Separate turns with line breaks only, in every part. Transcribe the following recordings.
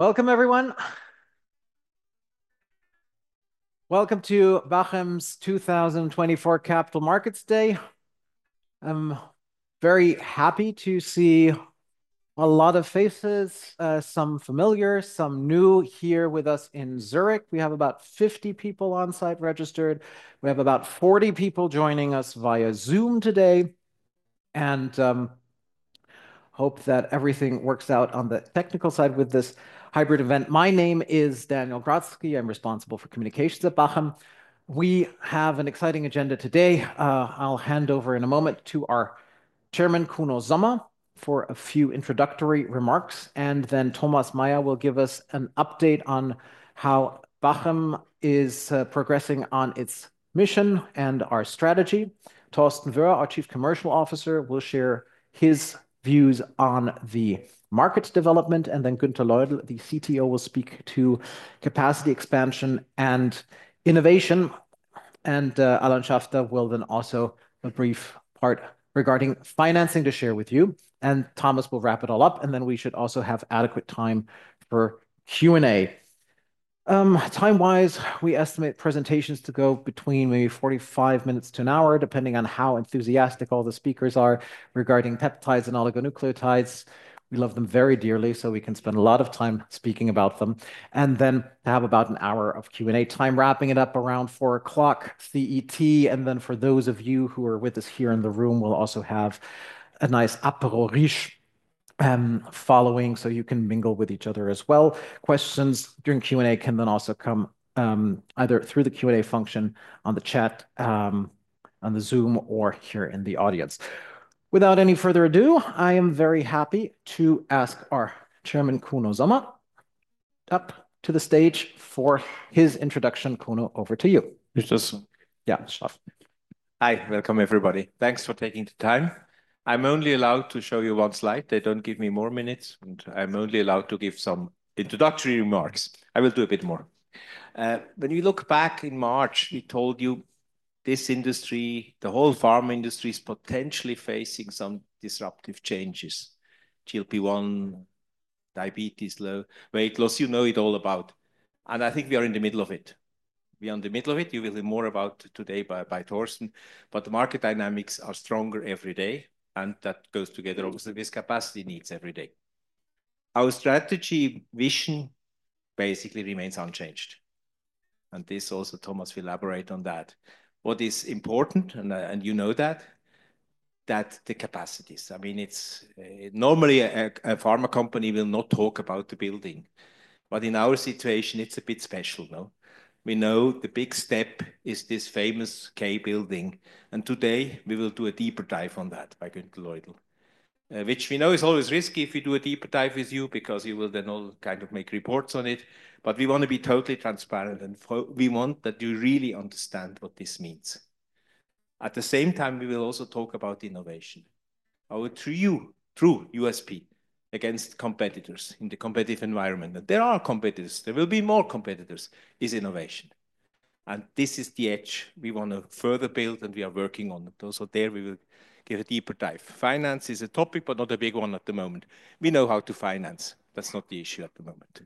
Welcome, everyone. Welcome to Bachem's 2024 Capital Markets Day. I'm very happy to see a lot of faces, some familiar, some new here with us in Zurich. We have about 50 people on site registered. We have about 40 people joining us via Zoom today. And hope that everything works out on the technical side with this hybrid event. My name is Daniel Grotzky. I'm responsible for communications at Bachem. We have an exciting agenda today. I'll hand over in a moment to our chairman, Kuno Sommer, for a few introductory remarks. And then Thomas Meier will give us an update on how Bachem is progressing on its mission and our strategy. Torsten Wöhr, our Chief Commercial Officer, will share his views on the market development. And then Günther Leudl, the CTO, will speak to capacity expansion and innovation. Alain Schaffter will then also have a brief part regarding financing to share with you. Thomas will wrap it all up. We should also have adequate time for Q&A. Time-wise, we estimate presentations to go between maybe 45 minutes to an hour, depending on how enthusiastic all the speakers are regarding peptides and oligonucleotides. We love them very dearly, so we can spend a lot of time speaking about them. We will then have about an hour of Q&A time, wrapping it up around 4:00 P.M. CET. For those of you who are with us here in the room, we'll also have a nice Aperol Spritz following, so you can mingle with each other as well. Questions during Q&A can then also come either through the Q&A function on the chat, on the Zoom, or here in the audience. Without any further ado, I am very happy to ask our Chairman, Kuno Sommer, up to the stage for his introduction. Kuno, over to you.
Yes, just.
Yeah, stuff.
Hi, welcome, everybody. Thanks for taking the time. I'm only allowed to show you one slide. They don't give me more minutes, and I'm only allowed to give some introductory remarks. I will do a bit more. When you look back in March, we told you this industry, the whole pharma industry is potentially facing some disruptive changes: GLP-1, diabetes, obesity, weight loss. You know all about it, and I think we are in the middle of it. We are in the middle of it. You will hear more about it today by Torsten, but the market dynamics are stronger every day, and that goes together with capacity needs every day. Our strategic vision basically remains unchanged, and this also, Thomas, we'll elaborate on that. What is important, and you know that, that the capacity is. I mean, it's normally a pharma company will not talk about the building. But in our situation, it's a bit special. We know the big step is this famous Building K. And today, we will do a deeper dive on that by Günther Loidl, which we know is always risky if we do a deeper dive with you because you will then all kind of make reports on it. But we want to be totally transparent, and we want that you really understand what this means. At the same time, we will also talk about innovation. Our true USP against competitors in the competitive environment, and there are competitors. There will be more competitors, is innovation. And this is the edge we want to further build, and we are working on it. Also, there we will give a deeper dive. Finance is a topic, but not a big one at the moment. We know how to finance. That's not the issue at the moment.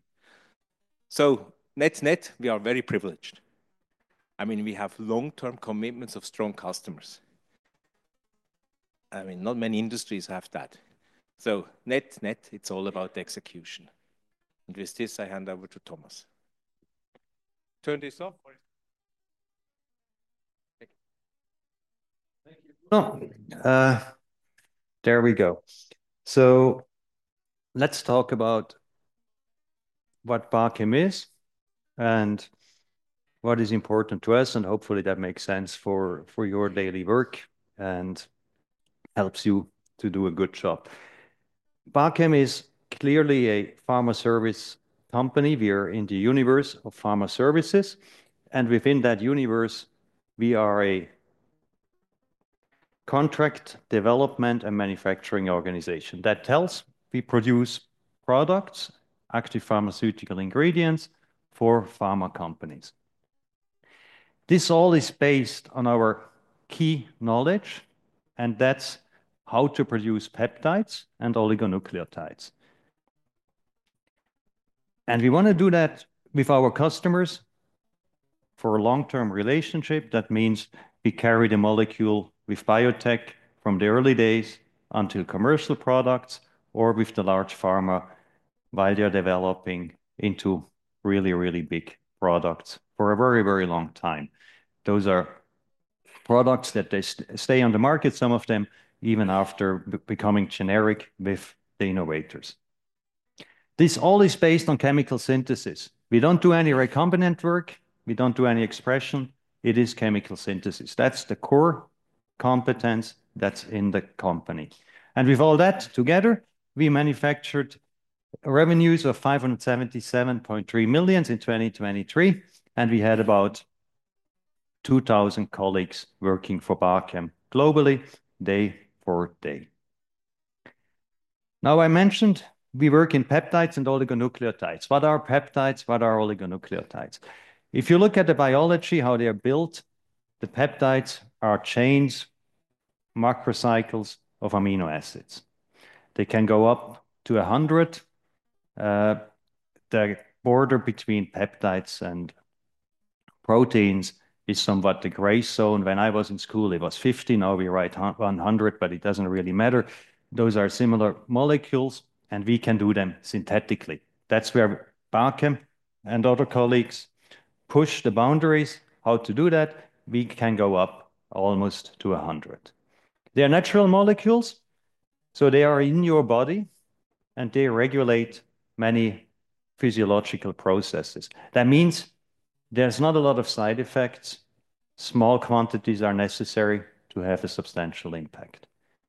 So net net, we are very privileged. I mean, we have long-term commitments of strong customers. I mean, not many industries have that. So net net, it's all about execution. And with this, I hand over to Thomas.
Turn this off.
Thank you. There we go, so let's talk about what Bachem is and what is important to us, and hopefully, that makes sense for your daily work and helps you to do a good job. Bachem is clearly a pharma service company. We are in the universe of pharma services, and within that universe, we are a contract development and manufacturing organization, that is, we produce products, actually pharmaceutical ingredients for pharma companies. This all is based on our key knowledge, and that's how to produce peptides and oligonucleotides, and we want to do that with our customers for a long-term relationship. That means we carry the molecule with biotech from the early days until commercial products or with the large pharma while they are developing into really, really big products for a very, very long time. Those are products that stay on the market, some of them even after becoming generic with the innovators. This all is based on chemical synthesis. We don't do any recombinant work. We don't do any expression. It is chemical synthesis. That's the core competence that's in the company. And with all that together, we manufactured revenues of 577.3 million in 2023. And we had about 2,000 colleagues working for Bachem globally day to day. Now, I mentioned we work in peptides and oligonucleotides. What are peptides? What are oligonucleotides? If you look at the biology, how they are built, the peptides are chains, macrocycles of amino acids. They can go up to 100. The border between peptides and proteins is somewhat the gray zone. When I was in school, it was 50. Now we write 100, but it doesn't really matter. Those are similar molecules, and we can do them synthetically. That's where Bachem and other colleagues push the boundaries. How to do that? We can go up almost to 100. They are natural molecules, so they are in your body, and they regulate many physiological processes. That means there's not a lot of side effects. Small quantities are necessary to have a substantial impact.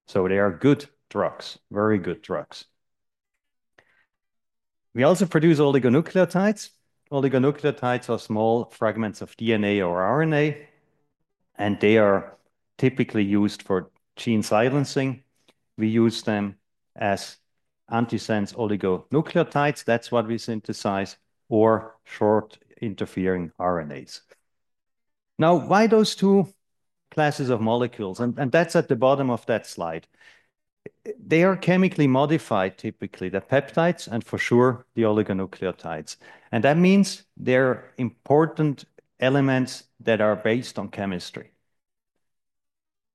So they are good drugs, very good drugs. We also produce oligonucleotides. Oligonucleotides are small fragments of DNA or RNA, and they are typically used for gene silencing. We use them as antisense oligonucleotides. That's what we synthesize, or short interfering RNAs. Now, why those two classes of molecules? And that's at the bottom of that slide. They are chemically modified, typically, the peptides and for sure the oligonucleotides. And that means they're important elements that are based on chemistry.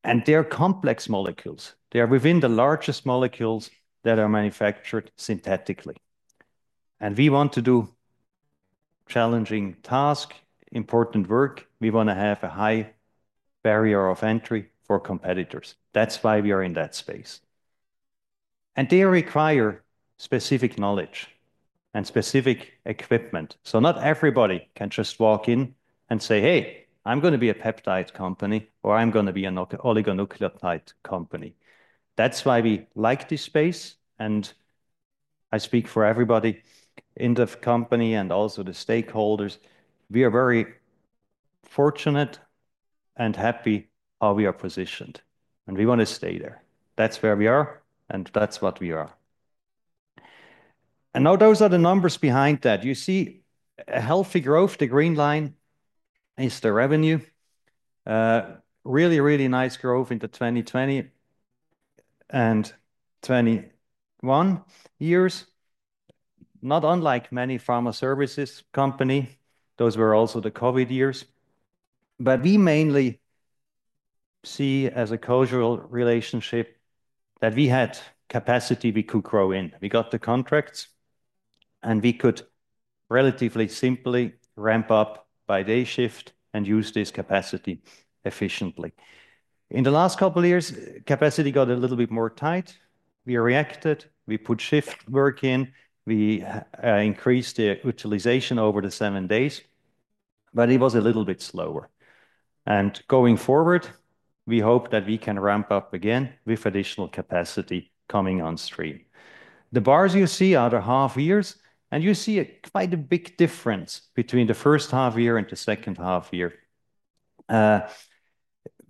And they're complex molecules. They are within the largest molecules that are manufactured synthetically. And we want to do challenging tasks, important work. We want to have a high barrier of entry for competitors. That's why we are in that space. And they require specific knowledge and specific equipment. So not everybody can just walk in and say, "Hey, I'm going to be a peptide company," or "I'm going to be an oligonucleotide company." That's why we like this space. And I speak for everybody in the company and also the stakeholders. We are very fortunate and happy how we are positioned. And we want to stay there. That's where we are, and that's what we are. And now those are the numbers behind that. You see a healthy growth. The green line is the revenue. Really, really nice growth in the 2020 and 2021 years. Not unlike many pharma services companies. Those were also the COVID years, but we mainly see as a causal relationship that we had capacity we could grow in. We got the contracts, and we could relatively simply ramp up by day shift and use this capacity efficiently. In the last couple of years, capacity got a little bit more tight. We reacted. We put shift work in. We increased the utilization over the seven days, but it was a little bit slower, and going forward, we hope that we can ramp up again with additional capacity coming on stream. The bars you see are the half years, and you see quite a big difference between the first half year and the second half year.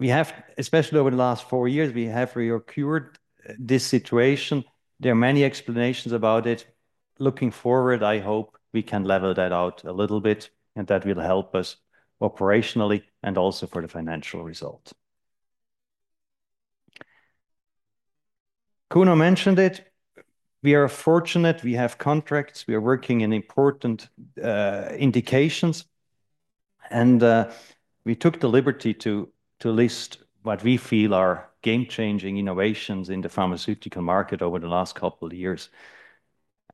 We have, especially over the last four years, we have reoccurred this situation. There are many explanations about it. Looking forward, I hope we can level that out a little bit, and that will help us operationally and also for the financial result. Kuno mentioned it. We are fortunate. We have contracts. We are working in important indications, and we took the liberty to list what we feel are game-changing innovations in the pharmaceutical market over the last couple of years,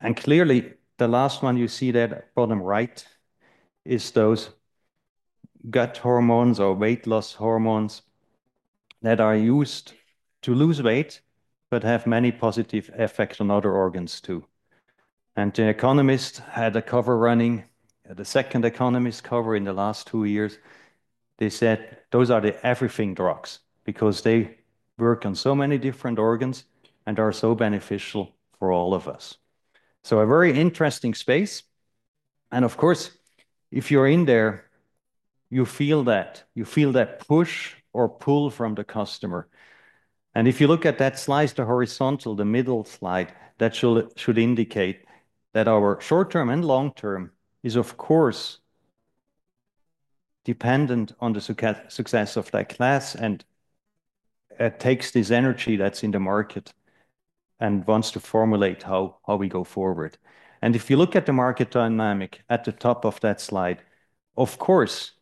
and clearly, the last one you see there at bottom right is those gut hormones or weight loss hormones that are used to lose weight but have many positive effects on other organs too. And The Economist had a cover running, the second Economist cover in the last two years. They said those are the everything drugs because they work on so many different organs and are so beneficial for all of us, so a very interesting space, and of course, if you're in there, you feel that. You feel that push or pull from the customer. And if you look at that slide, the horizontal, the middle slide, that should indicate that our short-term and long-term is, of course, dependent on the success of that class and takes this energy that's in the market and wants to formulate how we go forward. And if you look at the market dynamic at the top of that slide, of course,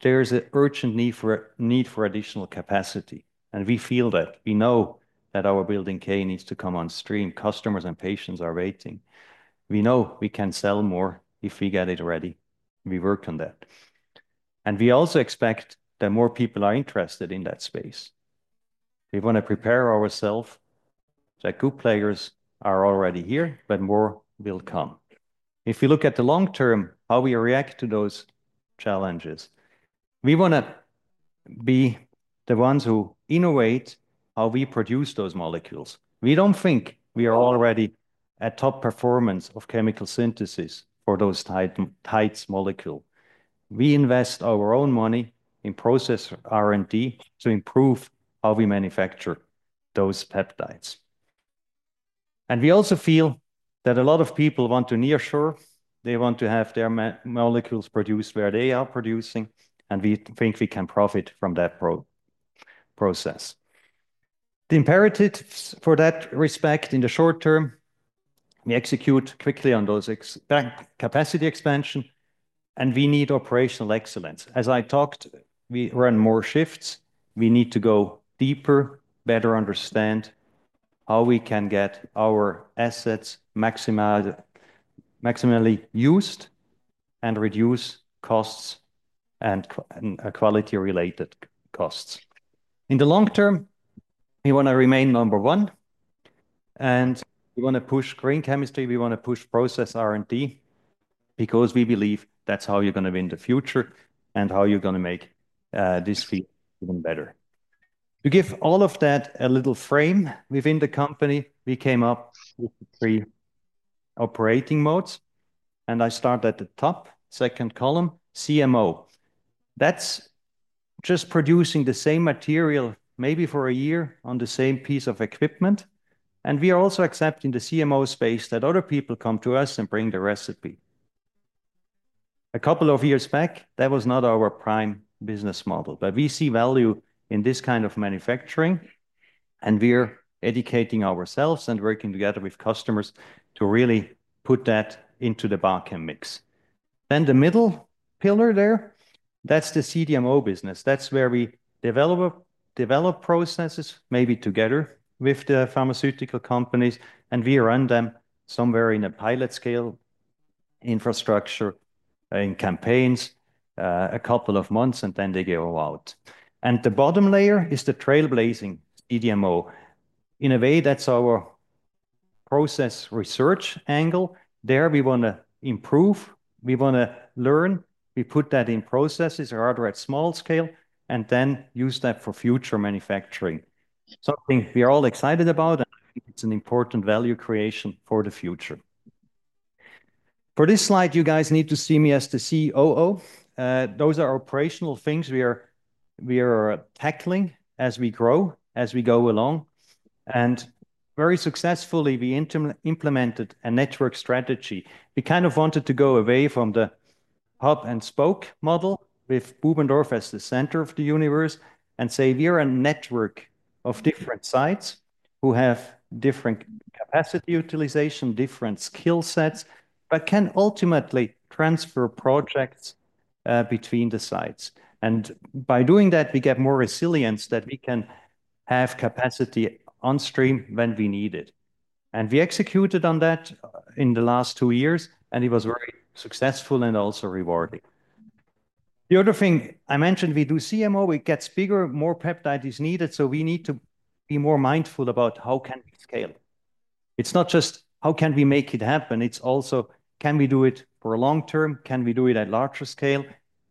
there is an urgent need for additional capacity. And we feel that. We know that our Building K needs to come on stream. Customers and patients are waiting. We know we can sell more if we get it ready. We work on that. And we also expect that more people are interested in that space. We want to prepare ourselves that good players are already here, but more will come. If you look at the long term, how we react to those challenges, we want to be the ones who innovate how we produce those molecules. We don't think we are already at top performance of chemical synthesis for those TIDE molecules. We invest our own money in process R&D to improve how we manufacture those peptides. And we also feel that a lot of people want to near shore. They want to have their molecules produced where they are producing. And we think we can profit from that process. The imperatives in that respect in the short term, we execute quickly on those capacity expansion, and we need operational excellence. As I talked, we run more shifts. We need to go deeper, better understand how we can get our assets maximally used and reduce costs and quality-related costs. In the long term, we want to remain number one. We want to push green chemistry. We want to push process R&D because we believe that's how you're going to win the future and how you're going to make this field even better. To give all of that a little frame within the company, we came up with three operating modes. I start at the top, second column, CMO. That's just producing the same material maybe for a year on the same piece of equipment. We are also accepting the CMO space that other people come to us and bring the recipe. A couple of years back, that was not our prime business model, but we see value in this kind of manufacturing. We're educating ourselves and working together with customers to really put that into the Bachem mix. Then the middle pillar there, that's the CDMO business. That's where we develop processes maybe together with the pharmaceutical companies. And we run them somewhere in a pilot scale infrastructure in campaigns a couple of months, and then they go out. And the bottom layer is the trailblazing CDMO. In a way, that's our process research angle. There we want to improve. We want to learn. We put that in processes, hardware at small scale, and then use that for future manufacturing. Something we are all excited about, and it's an important value creation for the future. For this slide, you guys need to see me as the COO. Those are operational things we are tackling as we grow, as we go along. And very successfully, we implemented a network strategy. We kind of wanted to go away from the hub and spoke model with Bubendorf as the center of the universe and say we are a network of different sites who have different capacity utilization, different skill sets, but can ultimately transfer projects between the sites, and by doing that, we get more resilience that we can have capacity on stream when we need it, and we executed on that in the last two years, and it was very successful and also rewarding. The other thing I mentioned, we do CMO. It gets bigger. More peptide is needed, so we need to be more mindful about how can we scale. It's not just how can we make it happen. It's also, can we do it for a long term? Can we do it at larger scale?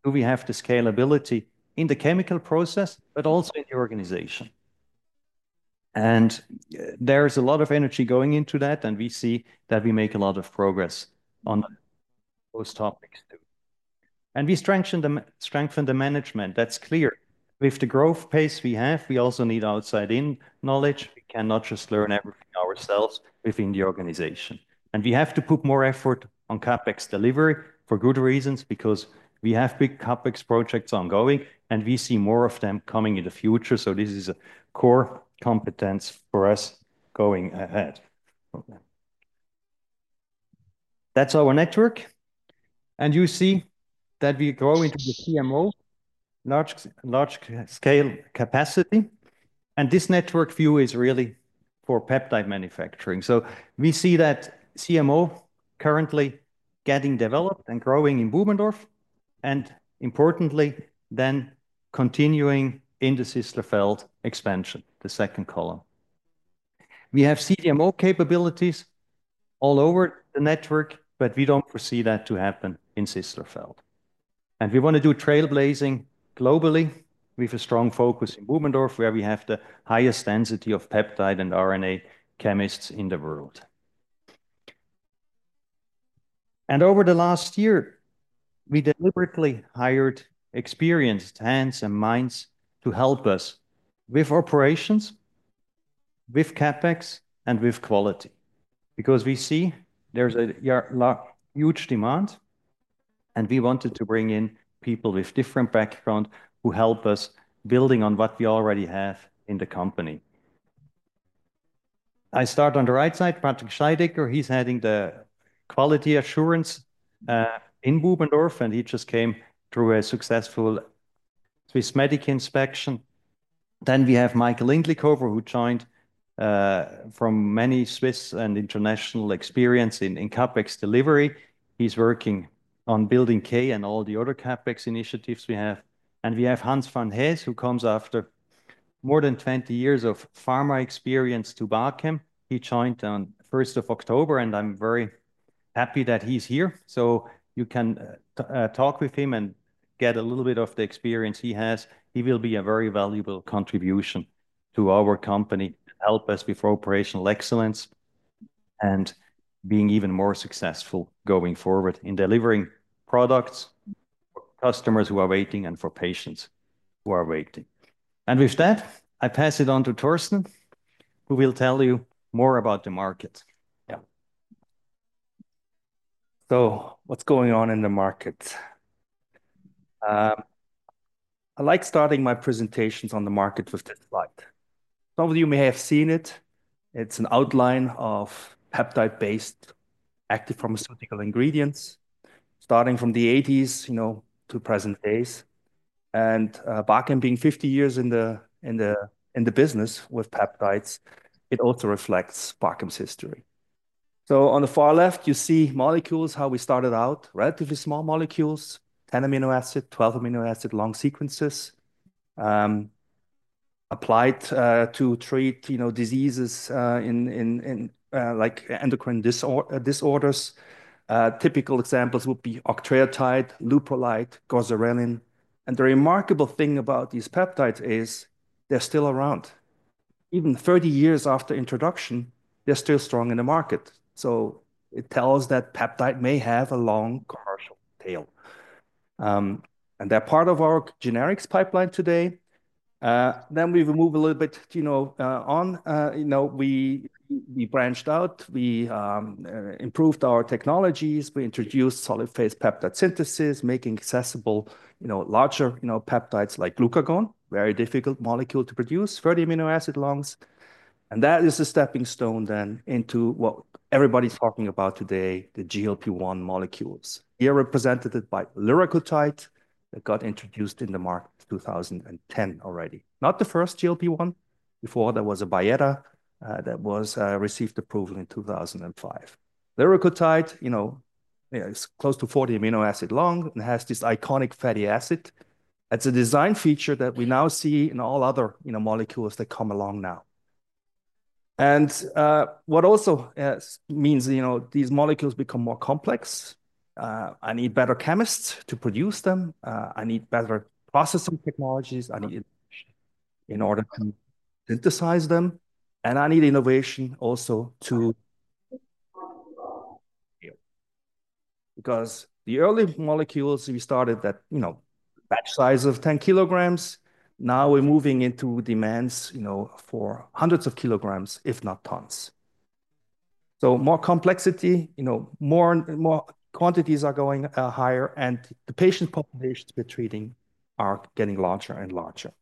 Do we have the scalability in the chemical process, but also in the organization? And there's a lot of energy going into that, and we see that we make a lot of progress on those topics too. And we strengthen the management. That's clear. With the growth pace we have, we also need outside-in knowledge. We cannot just learn everything ourselves within the organization. And we have to put more effort on CapEx delivery for good reasons because we have big CapEx projects ongoing, and we see more of them coming in the future. So this is a core competence for us going ahead. That's our network. And you see that we grow into the CMO, large scale capacity. And this network view is really for peptide manufacturing. So we see that CMO currently getting developed and growing in Bubendorf and, importantly, then continuing in the Sisslerfeld expansion, the second column. We have CDMO capabilities all over the network, but we don't foresee that to happen in Sisslerfeld. And we want to do trailblazing globally with a strong focus in Bubendorf, where we have the highest density of peptide and RNA chemists in the world. And over the last year, we deliberately hired experienced hands and minds to help us with operations, with CapEx, and with quality because we see there's a huge demand. And we wanted to bring in people with different backgrounds who help us building on what we already have in the company. I start on the right side, Patrick Scheidecker. He's heading the quality assurance in Bubendorf, and he just came through a successful Swissmedic inspection. Then we have Michael Linder, who joined from many Swiss and international experience in CapEx delivery. He's working on Building K and all the other CapEx initiatives we have. We have Hans van Hees, who comes after more than 20 years of pharma experience to Bachem. He joined on 1st of October, and I'm very happy that he's here. So you can talk with him and get a little bit of the experience he has. He will be a very valuable contribution to our company to help us with operational excellence and being even more successful going forward in delivering products for customers who are waiting and for patients who are waiting. And with that, I pass it on to Torsten, who will tell you more about the market.
Yeah. So what's going on in the market? I like starting my presentations on the market with this slide. Some of you may have seen it. It's an outline of peptide-based active pharmaceutical ingredients starting from the '80s to present days. Bachem being 50 years in the business with peptides, it also reflects Bachem's history. On the far left, you see molecules, how we started out, relatively small molecules, 10 amino acid, 12 amino acid long sequences applied to treat diseases like endocrine disorders. Typical examples would be octreotide, leuprolide, goserelin. The remarkable thing about these peptides is they're still around. Even 30 years after introduction, they're still strong in the market. It tells that peptide may have a long commercial tail. They're part of our generics pipeline today. We will move a little bit on. We branched out. We improved our technologies. We introduced solid-phase peptide synthesis, making accessible larger peptides like glucagon, a very difficult molecule to produce, 30 amino acid longs. That is a stepping stone then into what everybody's talking about today, the GLP-1 molecules. Here, represented by liraglutide that got introduced in the market in 2010 already. Not the first GLP-1. Before, there was a Byetta that received approval in 2005. liraglutide is close to 40 amino acid long and has this iconic fatty acid. That's a design feature that we now see in all other molecules that come along now. And what also means these molecules become more complex. I need better chemists to produce them. I need better processing technologies in order to synthesize them. And I need innovation also to because the early molecules we started that batch size of 10 kilograms. Now we're moving into demands for hundreds of kilograms, if not tons. More complexity, more quantities are going higher, and the patient populations we're treating are getting larger and larger.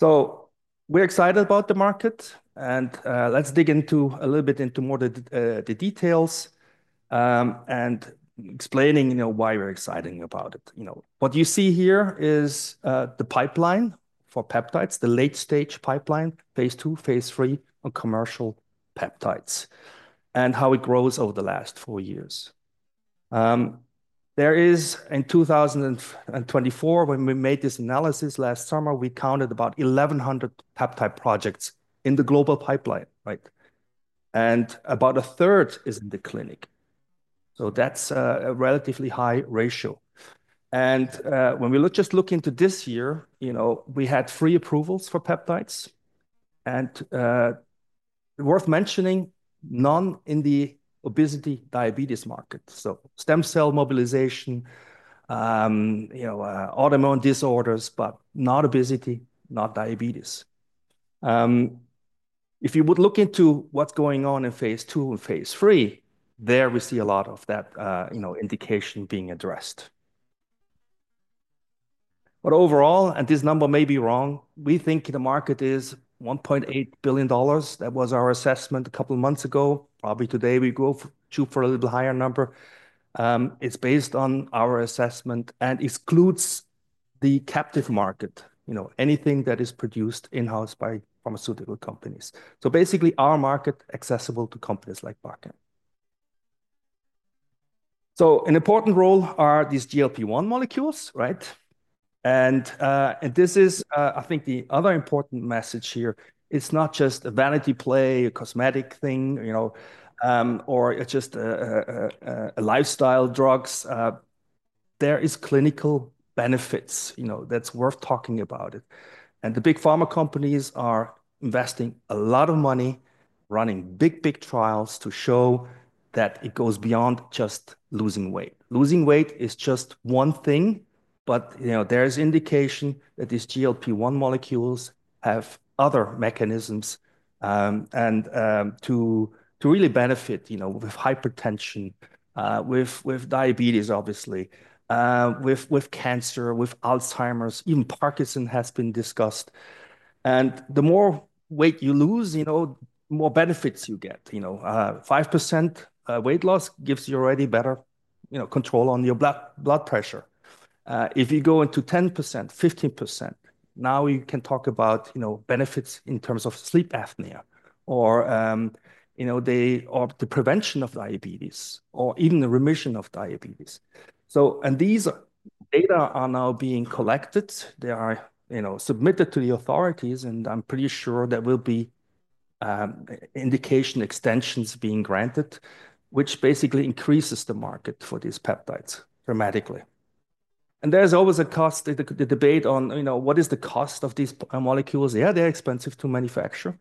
We're excited about the market. Let's dig into a little bit into more of the details and explaining why we're excited about it. What you see here is the pipeline for peptides, the late-stage pipeline, phase two, phase three on commercial peptides, and how it grows over the last four years. There is, in 2024, when we made this analysis last summer, we counted about 1,100 peptide projects in the global pipeline. About a third is in the clinic. So that's a relatively high ratio. When we just look into this year, we had three approvals for peptides. Worth mentioning, none in the obesity diabetes market. So stem cell mobilization, autoimmune disorders, but not obesity, not diabetes. If you would look into what's going on in phase two and phase three, there we see a lot of that indication being addressed. But overall, and this number may be wrong, we think the market is $1.8 billion. That was our assessment a couple of months ago. Probably today we go for a little higher number. It's based on our assessment and excludes the captive market, anything that is produced in-house by pharmaceutical companies. So basically, our market accessible to companies like Bachem. So an important role are these GLP-1 molecules. And this is, I think, the other important message here. It's not just a vanity play, a cosmetic thing, or it's just lifestyle drugs. There are clinical benefits that's worth talking about it. And the big pharma companies are investing a lot of money running big, big trials to show that it goes beyond just losing weight. Losing weight is just one thing, but there is indication that these GLP-1 molecules have other mechanisms to really benefit with hypertension, with diabetes, obviously, with cancer, with Alzheimer's. Even Parkinson's has been discussed, and the more weight you lose, more benefits you get. 5% weight loss gives you already better control on your blood pressure. If you go into 10%, 15%, now we can talk about benefits in terms of sleep apnea or the prevention of diabetes or even the remission of diabetes, and these data are now being collected. They are submitted to the authorities, and I'm pretty sure there will be indication extensions being granted, which basically increases the market for these peptides dramatically, and there's always a cost, the debate on what is the cost of these molecules. Yeah, they're expensive to manufacture.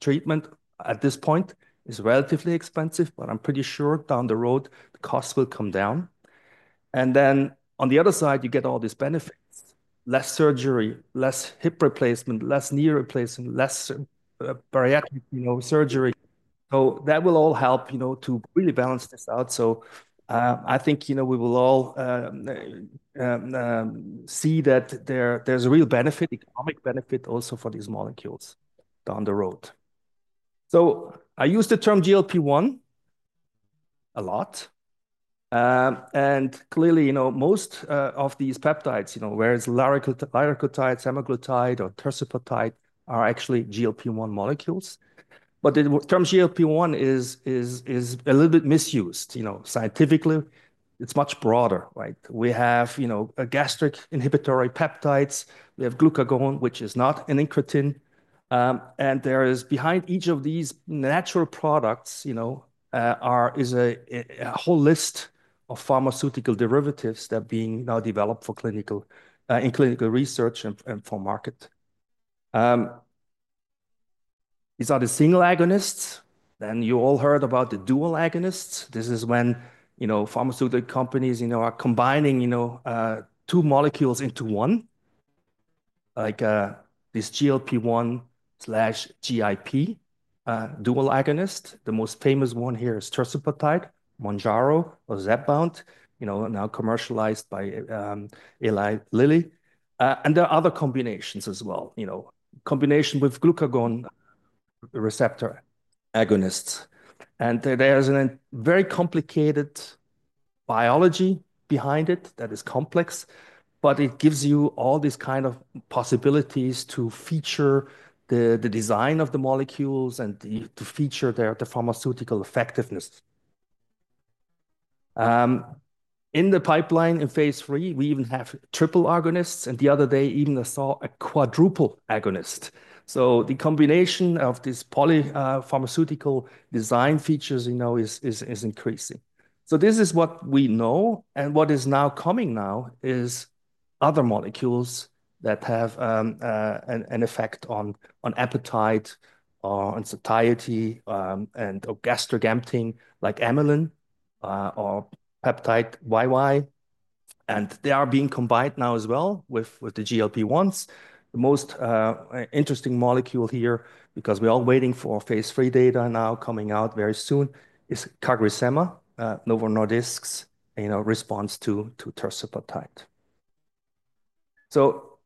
Treatment at this point is relatively expensive, but I'm pretty sure down the road, the cost will come down, and then on the other side, you get all these benefits: less surgery, less hip replacement, less knee replacement, less bariatric surgery, so that will all help to really balance this out, so I think we will all see that there's a real benefit, economic benefit also for these molecules down the road, so I use the term GLP-1 a lot, and clearly, most of these peptides, whereas liraglutide, semaglutide, or tirzepatide are actually GLP-1 molecules, but the term GLP-1 is a little bit misused. Scientifically, it's much broader. We have gastric inhibitory peptides. We have glucagon, which is not an incretin, and there is behind each of these natural products is a whole list of pharmaceutical derivatives that are being now developed in clinical research and for market. These are the single agonists. Then you all heard about the dual agonists. This is when pharmaceutical companies are combining two molecules into one, like this GLP-1 slash GIP dual agonist. The most famous one here is tirzepatide, Mounjaro or Zepbound, now commercialized by Eli Lilly. And there are other combinations as well, combination with glucagon receptor agonists. And there's a very complicated biology behind it that is complex, but it gives you all these kinds of possibilities to feature the design of the molecules and to feature their pharmaceutical effectiveness. In the pipeline in phase 3, we even have triple agonists. And the other day, even I saw a quadruple agonist. So the combination of these polypharmaceutical design features is increasing. So this is what we know. What is now coming now is other molecules that have an effect on appetite or on satiety and gastric emptying like amylin or peptide YY. They are being combined now as well with the GLP-1s. The most interesting molecule here because we're all waiting for phase three data now coming out very soon is CagriSema, Novo Nordisk's response to tirzepatide.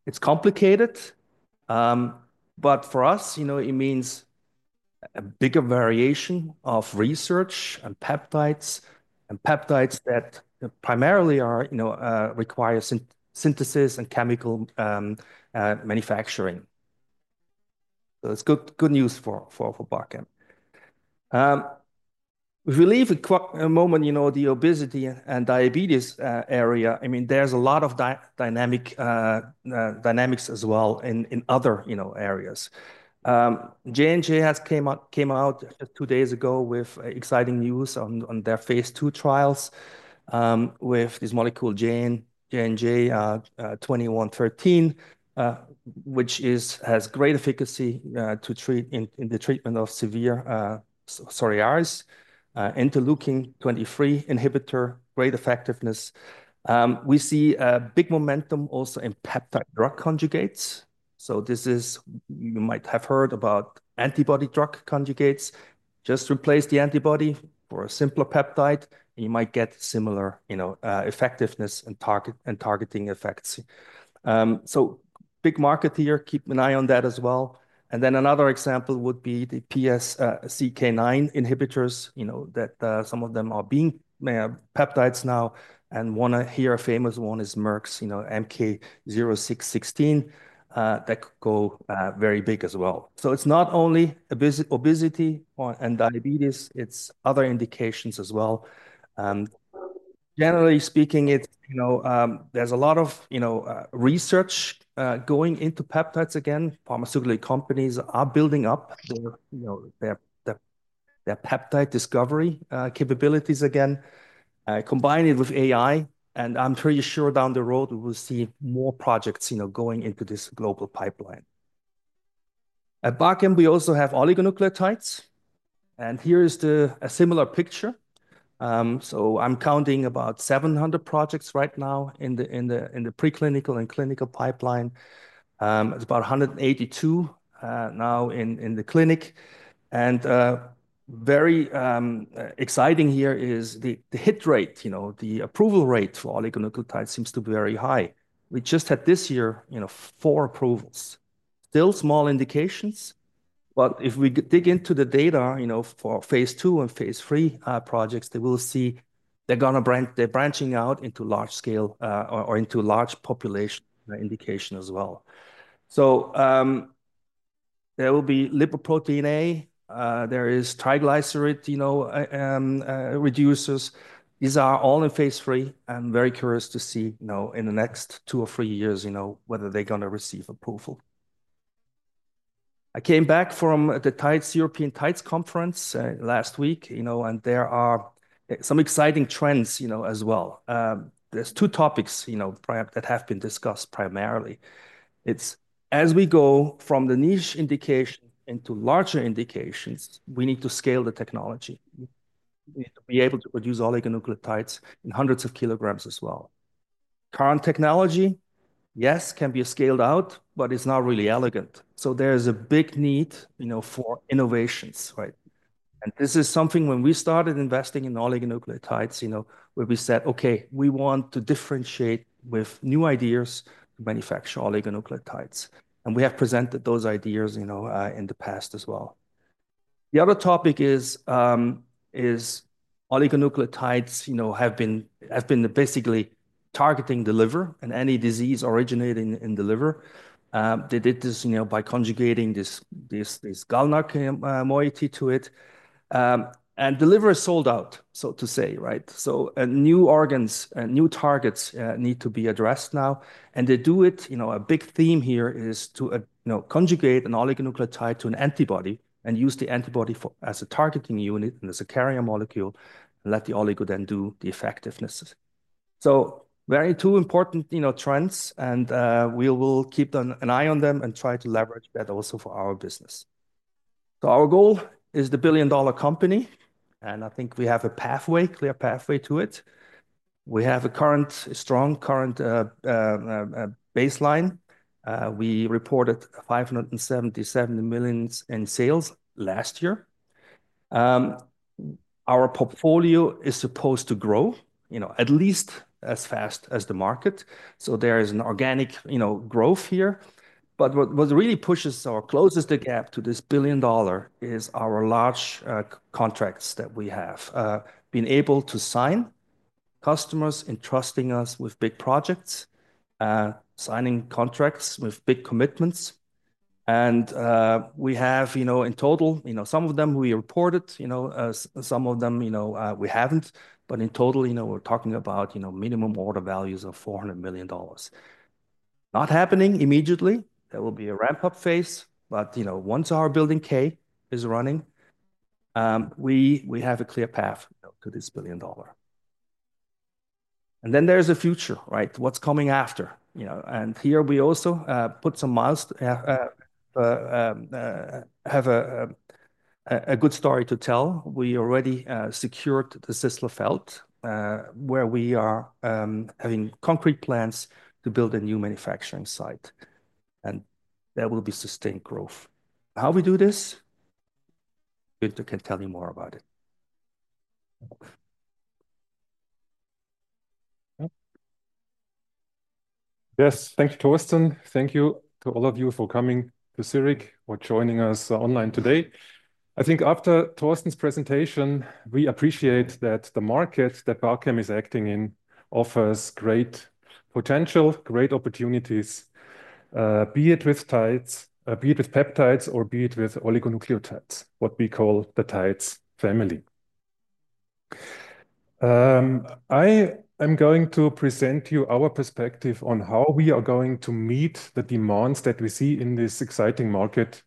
It's complicated. For us, it means a bigger variation of research and peptides and peptides that primarily require synthesis and chemical manufacturing. It's good news for Bachem. If we leave a moment, the obesity and diabetes area, I mean, there's a lot of dynamics as well in other areas. J&J has come out just two days ago with exciting news on their phase II trials with this molecule JNJ-2113, which has great efficacy in the treatment of severe psoriasis, interleukin-23 inhibitor, great effectiveness. We see a big momentum also in peptide drug conjugates. So this is you might have heard about antibody drug conjugates. Just replace the antibody for a simpler peptide, and you might get similar effectiveness and targeting effects. So big market here. Keep an eye on that as well. And then another example would be the PCSK9 inhibitors that some of them are being peptides now. And one here a famous one is Merck's MK-0616 that could go very big as well. So it's not only obesity and diabetes. It's other indications as well. Generally speaking, there's a lot of research going into peptides again. Pharmaceutical companies are building up their peptide discovery capabilities again, combine it with AI, and I'm pretty sure down the road, we will see more projects going into this global pipeline. At Bachem, we also have oligonucleotides, and here is a similar picture, so I'm counting about 700 projects right now in the preclinical and clinical pipeline. It's about 182 now in the clinic, and very exciting here is the hit rate, the approval rate for oligonucleotides seems to be very high. We just had this year four approvals. Still small indications, but if we dig into the data for phase two and phase three projects, they will see they're branching out into large scale or into large population indication as well, so there will be lipoprotein(a). There is triglyceride reducers. These are all in phase three. I'm very curious to see in the next two or three years whether they're going to receive approval. I came back from the European TIDES Conference last week, and there are some exciting trends as well. There are two topics that have been discussed primarily. It's as we go from the niche indication into larger indications, we need to scale the technology. We need to be able to produce oligonucleotides in hundreds of kilograms as well. Current technology, yes, can be scaled out, but it's not really elegant. So there is a big need for innovations. And this is something when we started investing in oligonucleotides, where we said, "Okay, we want to differentiate with new ideas to manufacture oligonucleotides." And we have presented those ideas in the past as well. The other topic is oligonucleotides have been basically targeting the liver and any disease originating in the liver. They did this by conjugating this GalNAc moiety to it. The liver is sold out, so to say. New organs and new targets need to be addressed now. They do it. A big theme here is to conjugate an oligonucleotide to an antibody and use the antibody as a targeting unit and as a carrier molecule and let the oligo then do the effectiveness. Very two important trends, and we will keep an eye on them and try to leverage that also for our business. Our goal is the billion-dollar company. I think we have a clear pathway to it. We have a strong current baseline. We reported 577 million in sales last year. Our portfolio is supposed to grow at least as fast as the market. There is an organic growth here. But what really pushes or closes the gap to this billion dollar is our large contracts that we have been able to sign, customers entrusting us with big projects, signing contracts with big commitments. And we have in total, some of them we reported, some of them we haven't. But in total, we're talking about minimum order values of $400 million. Not happening immediately. There will be a ramp-up phase. But once our Building K is running, we have a clear path to this billion dollar. And then there's a future, right? What's coming after? And here we also put some milestones, have a good story to tell. We already secured the Sisslerfeld where we are having concrete plans to build a new manufacturing site. And there will be sustained growth. How we do this? Günther can tell you more about it.
Yes, thank you, Torsten. Thank you to all of you for coming to Zurich or joining us online today. I think after Torsten's presentation, we appreciate that the market that Bachem is acting in offers great potential, great opportunities, be it with peptides or be it with oligonucleotides, what we call the TIDES family. I am going to present to you our perspective on how we are going to meet the demands that we see in this exciting market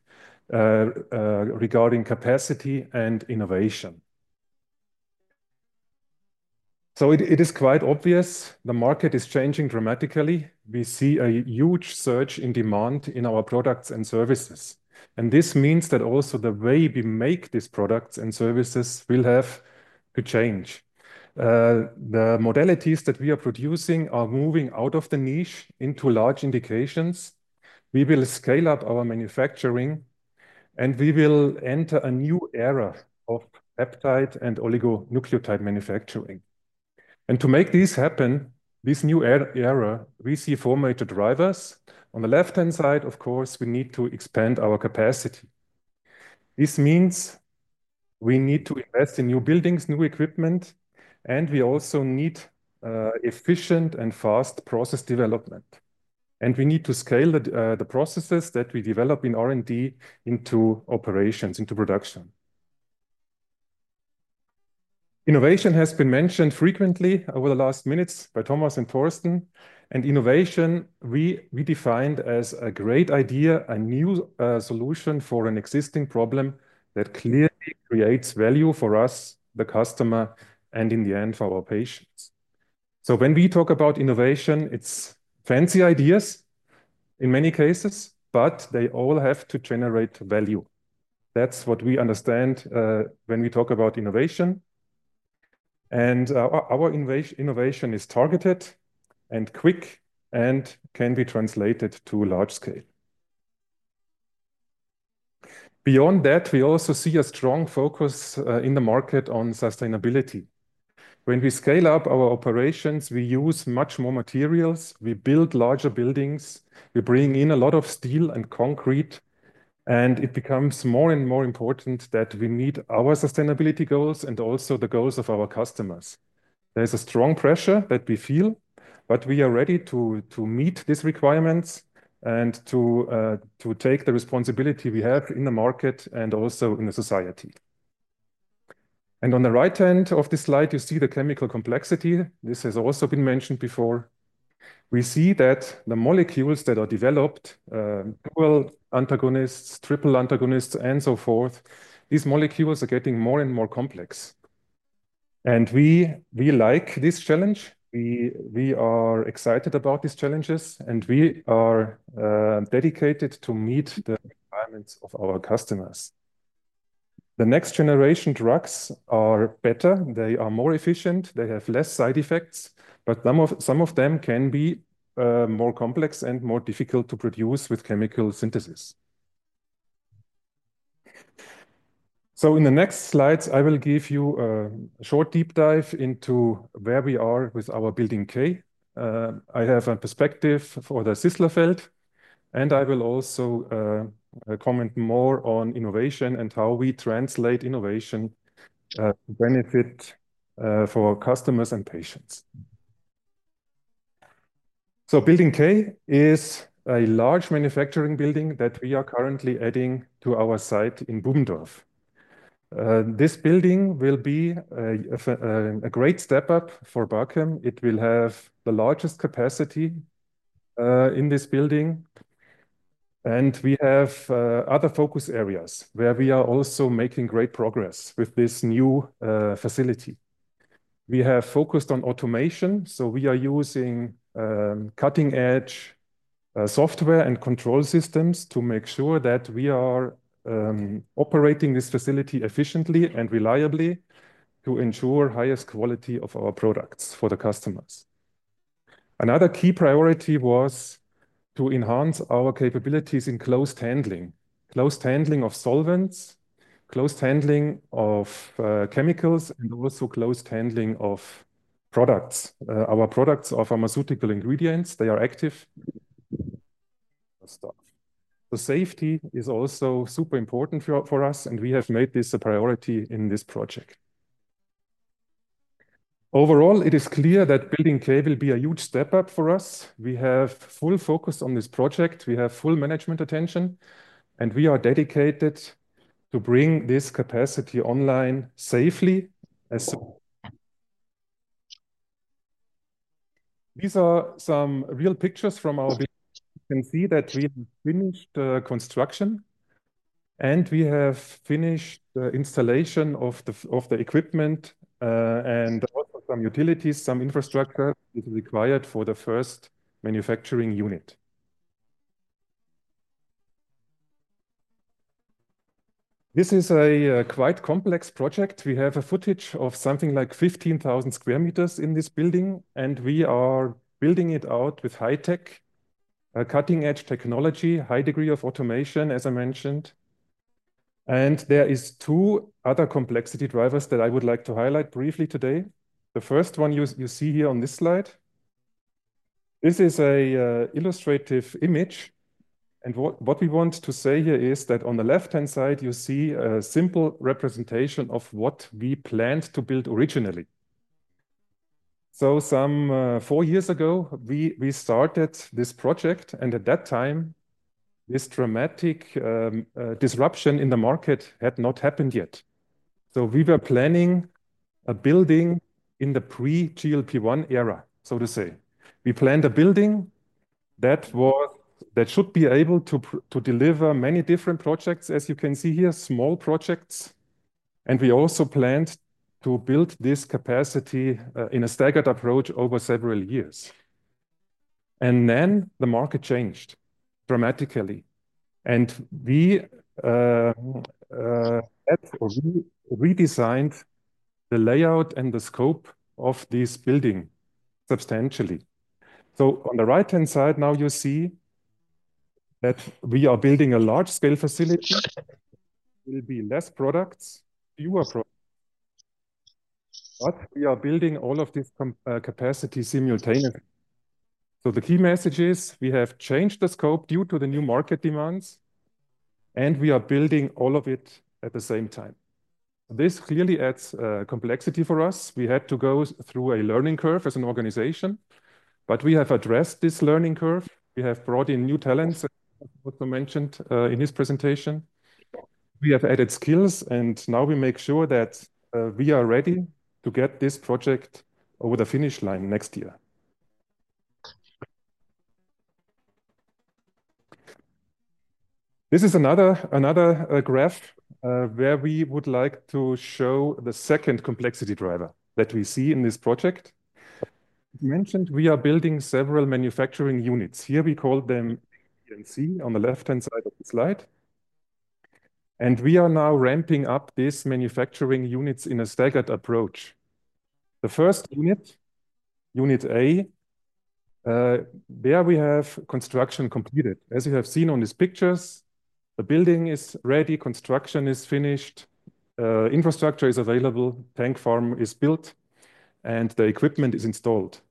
regarding capacity and innovation. So it is quite obvious. The market is changing dramatically. We see a huge surge in demand in our products and services. And this means that also the way we make these products and services will have to change. The modalities that we are producing are moving out of the niche into large indications. We will scale up our manufacturing, and we will enter a new era of peptide and oligonucleotide manufacturing, and to make this happen, this new era, we see four major drivers. On the left-hand side, of course, we need to expand our capacity. This means we need to invest in new buildings, new equipment, and we also need efficient and fast process development, and we need to scale the processes that we develop in R&D into operations, into production. Innovation has been mentioned frequently over the last minutes by Thomas and Torsten, and innovation, we defined as a great idea, a new solution for an existing problem that clearly creates value for us, the customer, and in the end, for our patients, so when we talk about innovation, it's fancy ideas in many cases, but they all have to generate value. That's what we understand when we talk about innovation. Our innovation is targeted and quick and can be translated to large scale. Beyond that, we also see a strong focus in the market on sustainability. When we scale up our operations, we use much more materials. We build larger buildings. We bring in a lot of steel and concrete. It becomes more and more important that we meet our sustainability goals and also the goals of our customers. There's a strong pressure that we feel, but we are ready to meet these requirements and to take the responsibility we have in the market and also in the society. On the right-hand of the slide, you see the chemical complexity. This has also been mentioned before. We see that the molecules that are developed, dual antagonists, triple antagonists, and so forth, these molecules are getting more and more complex. We like this challenge. We are excited about these challenges, and we are dedicated to meet the requirements of our customers. The next generation drugs are better. They are more efficient. They have less side effects, but some of them can be more complex and more difficult to produce with chemical synthesis. So in the next slides, I will give you a short deep dive into where we are with our building K. I have a perspective for the Sisslerfeld, and I will also comment more on innovation and how we translate innovation to benefit our customers and patients. So building K is a large manufacturing building that we are currently adding to our site in Bubendorf. This building will be a great step up for Bachem. It will have the largest capacity in this building. And we have other focus areas where we are also making great progress with this new facility. We have focused on automation. So we are using cutting-edge software and control systems to make sure that we are operating this facility efficiently and reliably to ensure the highest quality of our products for the customers. Another key priority was to enhance our capabilities in closed handling, closed handling of solvents, closed handling of chemicals, and also closed handling of products, our products of pharmaceutical ingredients. They are active. The safety is also super important for us, and we have made this a priority in this project. Overall, it is clear that Building K will be a huge step up for us. We have full focus on this project. We have full management attention, and we are dedicated to bringing this capacity online safely. These are some real pictures from our building. You can see that we have finished construction, and we have finished the installation of the equipment and also some utilities, some infrastructure required for the first manufacturing unit. This is a quite complex project. We have footage of something like 15,000 sq m in this building, and we are building it out with high-tech, cutting-edge technology, high degree of automation, as I mentioned. And there are two other complexity drivers that I would like to highlight briefly today. The first one you see here on this slide. This is an illustrative image. And what we want to say here is that on the left-hand side, you see a simple representation of what we planned to build originally. So four years ago, we started this project, and at that time, this dramatic disruption in the market had not happened yet. So we were planning a building in the pre-GLP-1 era, so to say. We planned a building that should be able to deliver many different projects, as you can see here, small projects. And we also planned to build this capacity in a staggered approach over several years. And then the market changed dramatically. And we redesigned the layout and the scope of this building substantially. So on the right-hand side, now you see that we are building a large-scale facility. There will be fewer products. But we are building all of this capacity simultaneously. So the key message is we have changed the scope due to the new market demands, and we are building all of it at the same time. This clearly adds complexity for us. We had to go through a learning curve as an organization, but we have addressed this learning curve. We have brought in new talents, as also mentioned in his presentation. We have added skills, and now we make sure that we are ready to get this project over the finish line next year. This is another graph where we would like to show the second complexity driver that we see in this project. As mentioned, we are building several manufacturing units. Here we call them A and C on the left-hand side of the slide, and we are now ramping up these manufacturing units in a staggered approach. The first unit, unit A, there we have construction completed. As you have seen on these pictures, the building is ready, construction is finished, infrastructure is available, tank farm is built, and the equipment is installed.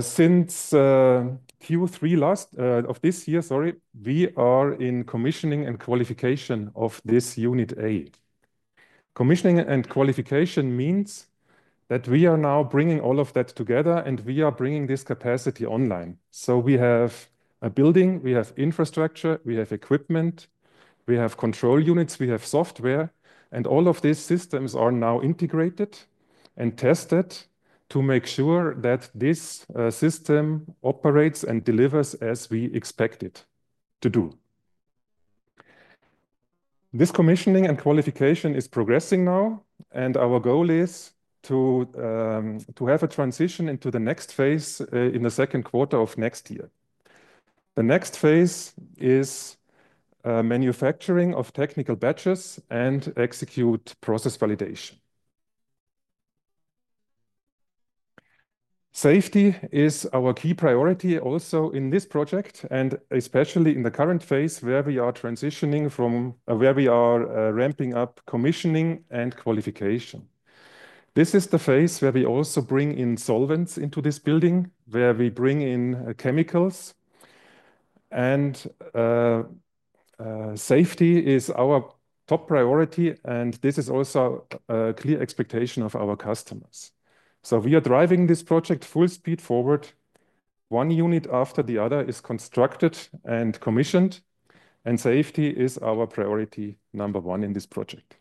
Since Q3 last of this year, sorry, we are in Commissioning and Qualification of this unit A. Commissioning and qualification means that we are now bringing all of that together, and we are bringing this capacity online. So we have a building, we have infrastructure, we have equipment, we have control units, we have software, and all of these systems are now integrated and tested to make sure that this system operates and delivers as we expect it to do. This commissioning and qualification is progressing now, and our goal is to have a transition into the next phase in the second quarter of next year. The next phase is manufacturing of technical batches and execute process validation. Safety is our key priority also in this project, and especially in the current phase where we are transitioning from where we are ramping up commissioning and qualification. This is the phase where we also bring in solvents into this building, where we bring in chemicals. Safety is our top priority, and this is also a clear expectation of our customers. So we are driving this project full speed forward. One unit after the other is constructed and commissioned, and safety is our priority number one in this project.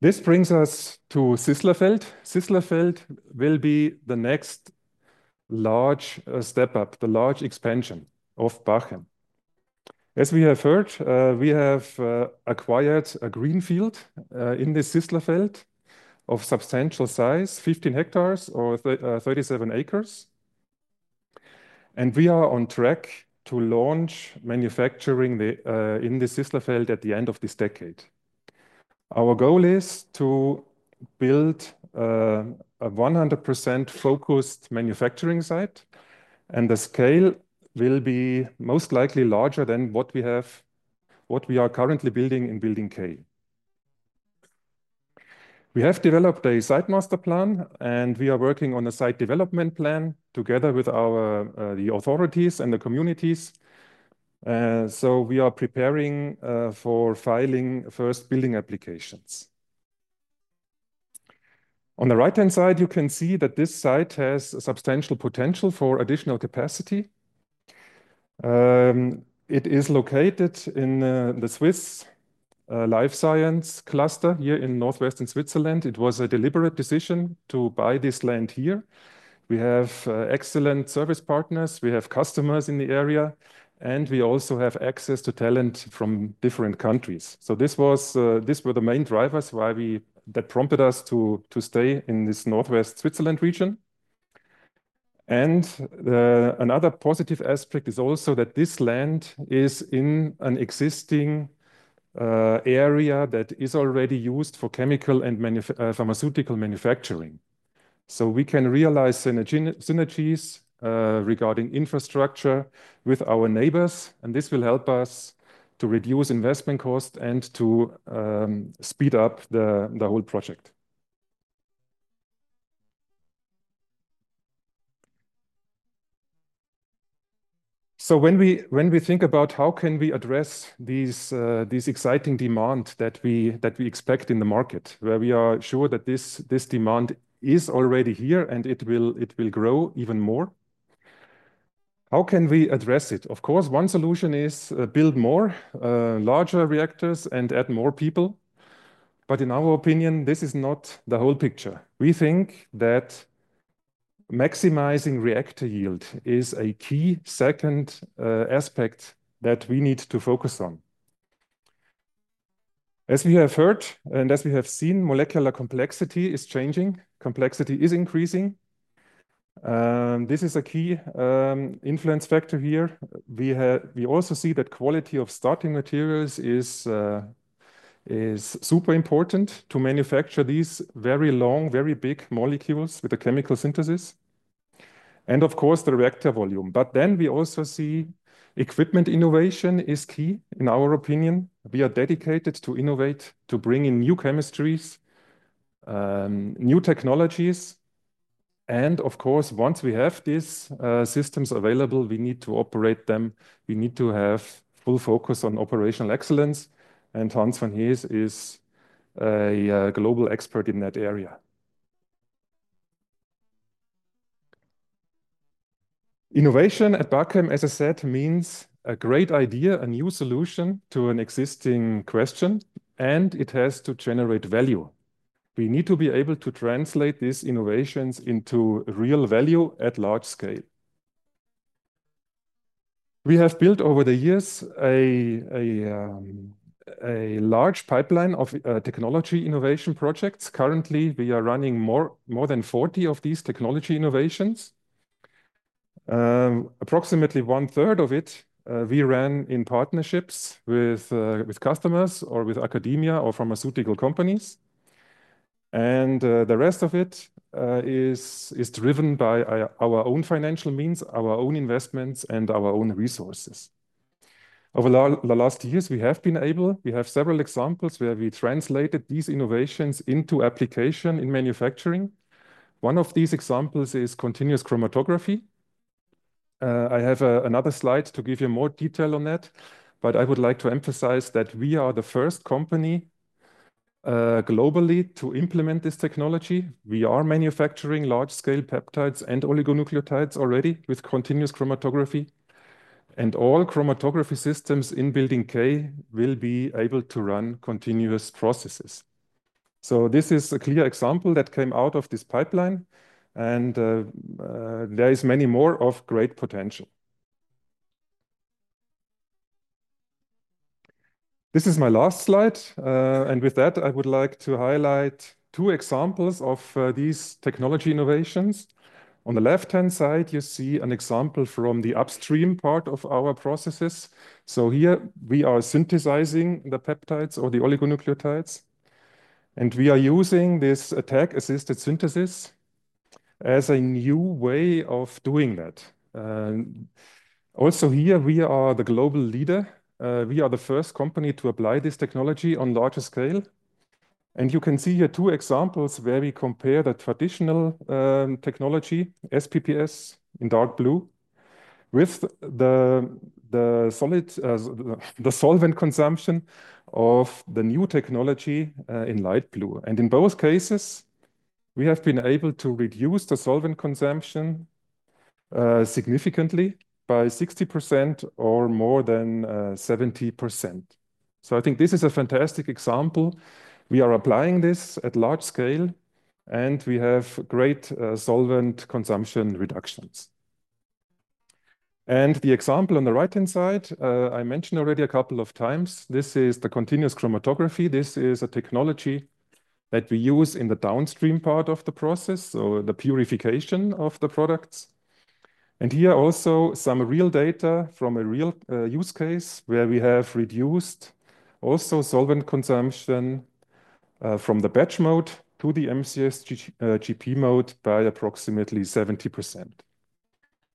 This brings us to Sisslerfeld. Sisslerfeld will be the next large step up, the large expansion of Bachem. As we have heard, we have acquired a greenfield in the Sisslerfeld of substantial size, 15 hectares or 37 acres. We are on track to launch manufacturing in the Sisslerfeld at the end of this decade. Our goal is to build a 100% focused manufacturing site, and the scale will be most likely larger than what we are currently building in Building K. We have developed a site master plan, and we are working on a site development plan together with the authorities and the communities, so we are preparing for filing first building applications. On the right-hand side, you can see that this site has substantial potential for additional capacity. It is located in the Swiss life science cluster here in Northwestern Switzerland. It was a deliberate decision to buy this land here. We have excellent service partners. We have customers in the area, and we also have access to talent from different countries, so these were the main drivers that prompted us to stay in this northwest Switzerland region, and another positive aspect is also that this land is in an existing area that is already used for chemical and pharmaceutical manufacturing. So we can realize synergies regarding infrastructure with our neighbors, and this will help us to reduce investment costs and to speed up the whole project. So when we think about how can we address this exciting demand that we expect in the market, where we are sure that this demand is already here and it will grow even more, how can we address it? Of course, one solution is to build more larger reactors and add more people. But in our opinion, this is not the whole picture. We think that maximizing reactor yield is a key second aspect that we need to focus on. As we have heard and as we have seen, molecular complexity is changing. Complexity is increasing. This is a key influence factor here. We also see that quality of starting materials is super important to manufacture these very long, very big molecules with the chemical synthesis. And of course, the reactor volume. But then we also see equipment innovation is key, in our opinion. We are dedicated to innovate, to bring in new chemistries, new technologies. And of course, once we have these systems available, we need to operate them. We need to have full focus on operational excellence. And Hans van Hees is a global expert in that area. Innovation at Bachem, as I said, means a great idea, a new solution to an existing question, and it has to generate value. We need to be able to translate these innovations into real value at large scale. We have built over the years a large pipeline of technology innovation projects. Currently, we are running more than 40 of these technology innovations. Approximately one-third of it we ran in partnerships with customers or with academia or pharmaceutical companies, and the rest of it is driven by our own financial means, our own investments, and our own resources. Over the last years, we have been able to have several examples where we translated these innovations into application in manufacturing. One of these examples is continuous chromatography. I have another slide to give you more detail on that, but I would like to emphasize that we are the first company globally to implement this technology. We are manufacturing large-scale peptides and oligonucleotides already with continuous chromatography, and all chromatography systems in Building K will be able to run continuous processes, so this is a clear example that came out of this pipeline, and there is many more of great potential. This is my last slide. With that, I would like to highlight two examples of these technology innovations. On the left-hand side, you see an example from the upstream part of our processes. So here, we are synthesizing the peptides or the oligonucleotides. And we are using this tag-assisted synthesis as a new way of doing that. Also here, we are the global leader. We are the first company to apply this technology on larger scale. And you can see here two examples where we compare the traditional technology, SPPS in dark blue, with the solvent consumption of the new technology in light blue. And in both cases, we have been able to reduce the solvent consumption significantly by 60% or more than 70%. So I think this is a fantastic example. We are applying this at large scale, and we have great solvent consumption reductions. And the example on the right-hand side, I mentioned already a couple of times, this is the continuous chromatography. This is a technology that we use in the downstream part of the process, so the purification of the products. And here also some real data from a real use case where we have reduced also solvent consumption from the batch mode to the MCSGP mode by approximately 70%.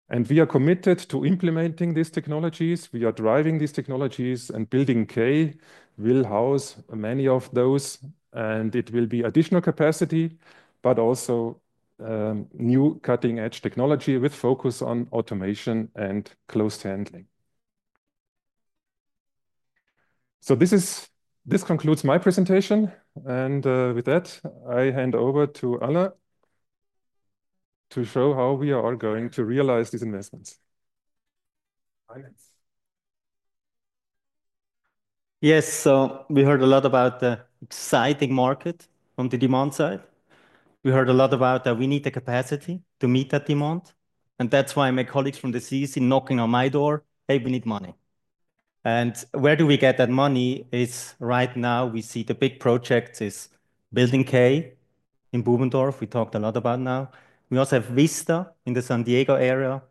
And we are committed to implementing these technologies. We are driving these technologies, and Building K will house many of those, and it will be additional capacity, but also new cutting-edge technology with focus on automation and closed handling. So this concludes my presentation. And with that, I hand over to Alain to show how we are going to realize these investments.
Yes, so we heard a lot about the exciting market on the demand side. We heard a lot about that we need the capacity to meet that demand. And that's why my colleagues from the CEC knocking on my door, "Hey, we need money." And where do we get that money? Right now, we see the big projects is Building K in Bubendorf. We talked a lot about now. We also have Vista in the San Diego area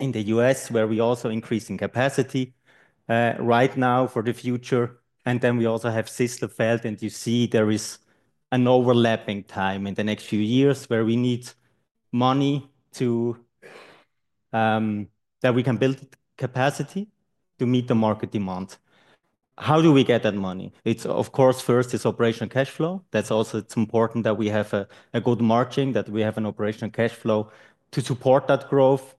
in the U.S., where we also increase in capacity right now for the future. And then we also have Sisslerfeld, and you see there is an overlapping time in the next few years where we need money that we can build capacity to meet the market demand. How do we get that money? It's, of course, first, it's operational cash flow. That's also important that we have a good margin, that we have an operational cash flow to support that growth.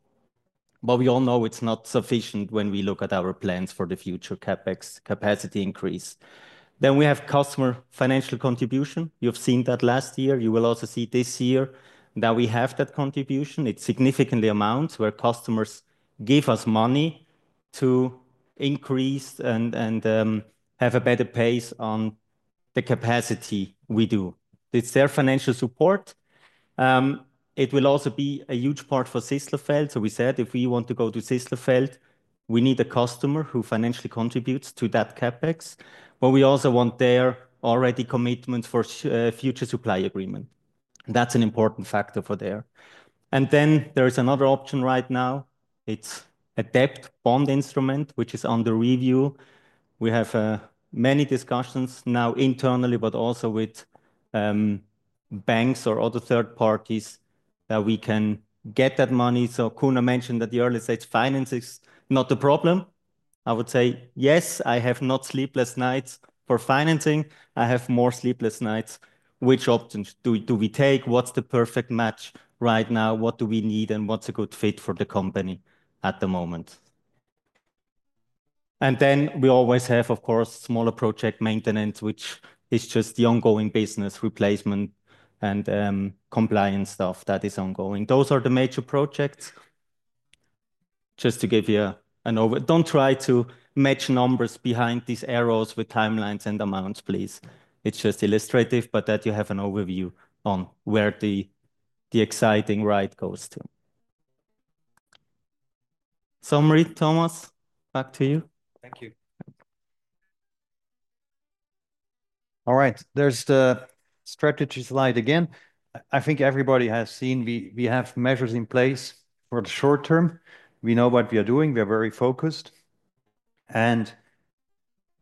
But we all know it's not sufficient when we look at our plans for the future CapEx capacity increase. Then we have customer financial contribution. You've seen that last year. You will also see this year that we have that contribution. It significantly amounts where customers give us money to increase and have a better pace on the capacity we do. It's their financial support. It will also be a huge part for Sisslerfeld. So we said, if we want to go to Sisslerfeld, we need a customer who financially contributes to that CapEx. But we also want their already commitments for future supply agreement. That's an important factor for there. And then there is another option right now. It's a debt bond instrument, which is under review. We have many discussions now internally, but also with banks or other third parties that we can get that money. Kuno mentioned that the early stage finance is not the problem. I would say, yes, I have not sleepless nights for financing. I have more sleepless nights. Which options do we take? What's the perfect match right now? What do we need and what's a good fit for the company at the moment? And then we always have, of course, smaller project maintenance, which is just the ongoing business replacement and compliance stuff that is ongoing. Those are the major projects. Just to give you an overview, don't try to match numbers behind these arrows with timelines and amounts, please. It's just illustrative, but that you have an overview on where the exciting ride goes to. So Marie, Thomas, back to you.
Thank you. All right, there's the strategy slide again. I think everybody has seen we have measures in place for the short term.
We know what we are doing. We are very focused. And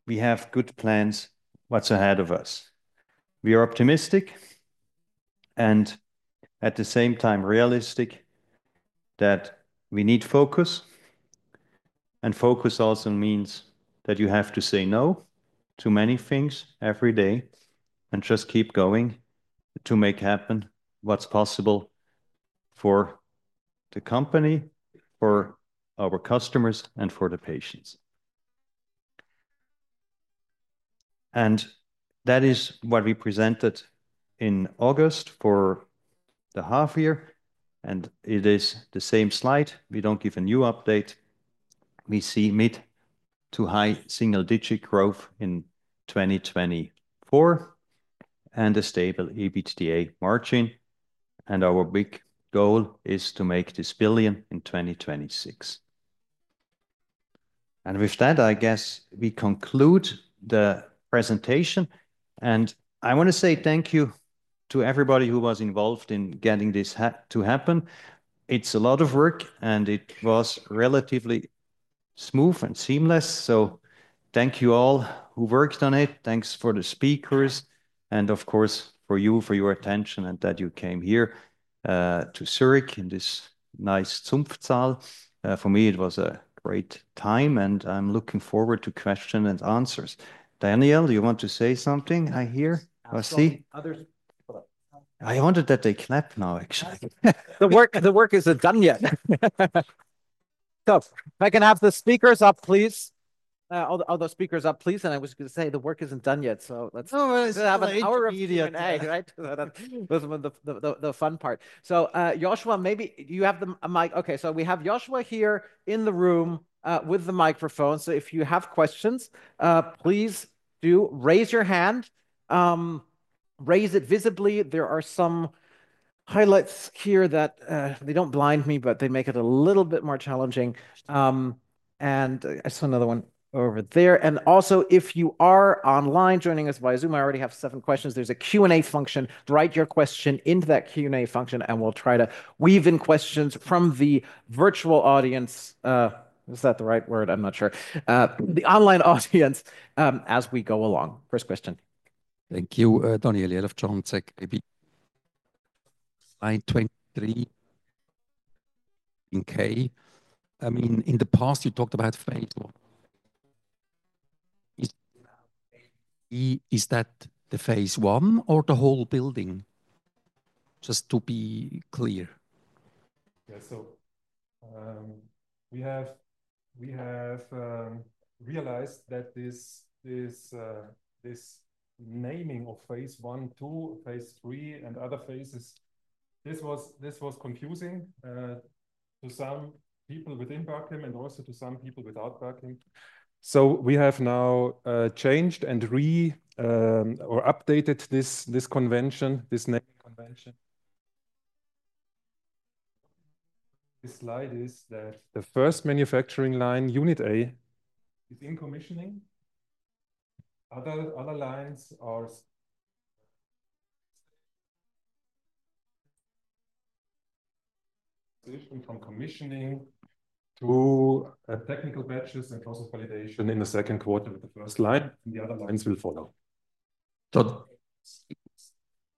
we have good plans what's ahead of us. We are optimistic and at the same time realistic that we need focus. And focus also means that you have to say no to many things every day and just keep going to make happen what's possible for the company, for our customers, and for the patients. And that is what we presented in August for the half year. And it is the same slide. We don't give a new update. We see mid- to high single-digit growth in 2024 and a stable EBITDA margin. And our big goal is to make this billion in 2026. And with that, I guess we conclude the presentation. And I want to say thank you to everybody who was involved in getting this to happen. It's a lot of work, and it was relatively smooth and seamless. So thank you all who worked on it. Thanks for the speakers and, of course, for you, for your attention and that you came here to Zurich in this nice Zunfthaus. For me, it was a great time, and I'm looking forward to questions and answers. Daniel, do you want to say something? I hear I see others. I wanted that they clap now, actually.
The work isn't done yet.
So if I can have the speakers up, please. All the speakers up, please. And I was going to say the work isn't done yet. So let's have an hour of Q&A, right? That was the fun part. So Yoshua, maybe you have the mic. Okay, so we have Yoshua here in the room with the microphone. So if you have questions, please do raise your hand. Raise it visibly. There are some highlights here that they don't blind me, but they make it a little bit more challenging, and I saw another one over there. And also, if you are online joining us via Zoom, I already have seven questions. There's a Q&A function. Write your question into that Q&A function, and we'll try to weave in questions from the virtual audience. Is that the right word? I'm not sure. The online audience as we go along. First question.
Thank you, Daniel. I love the tech. Slide 23 in Building K. I mean, in the past, you talked about phase one. Is that the phase one or the whole building? Just to be clear.
Yeah, so we have realized that this naming of phase one, two, phase three, and other phases, this was confusing to some people within Bachem and also to some people without Bachem. So we have now changed and re-updated this convention, this name convention. This slide is that the first manufacturing line, unit A, is in commissioning. Other lines are from commissioning to technical batches and process validation in the second quarter with the first line. And the other lines will follow. So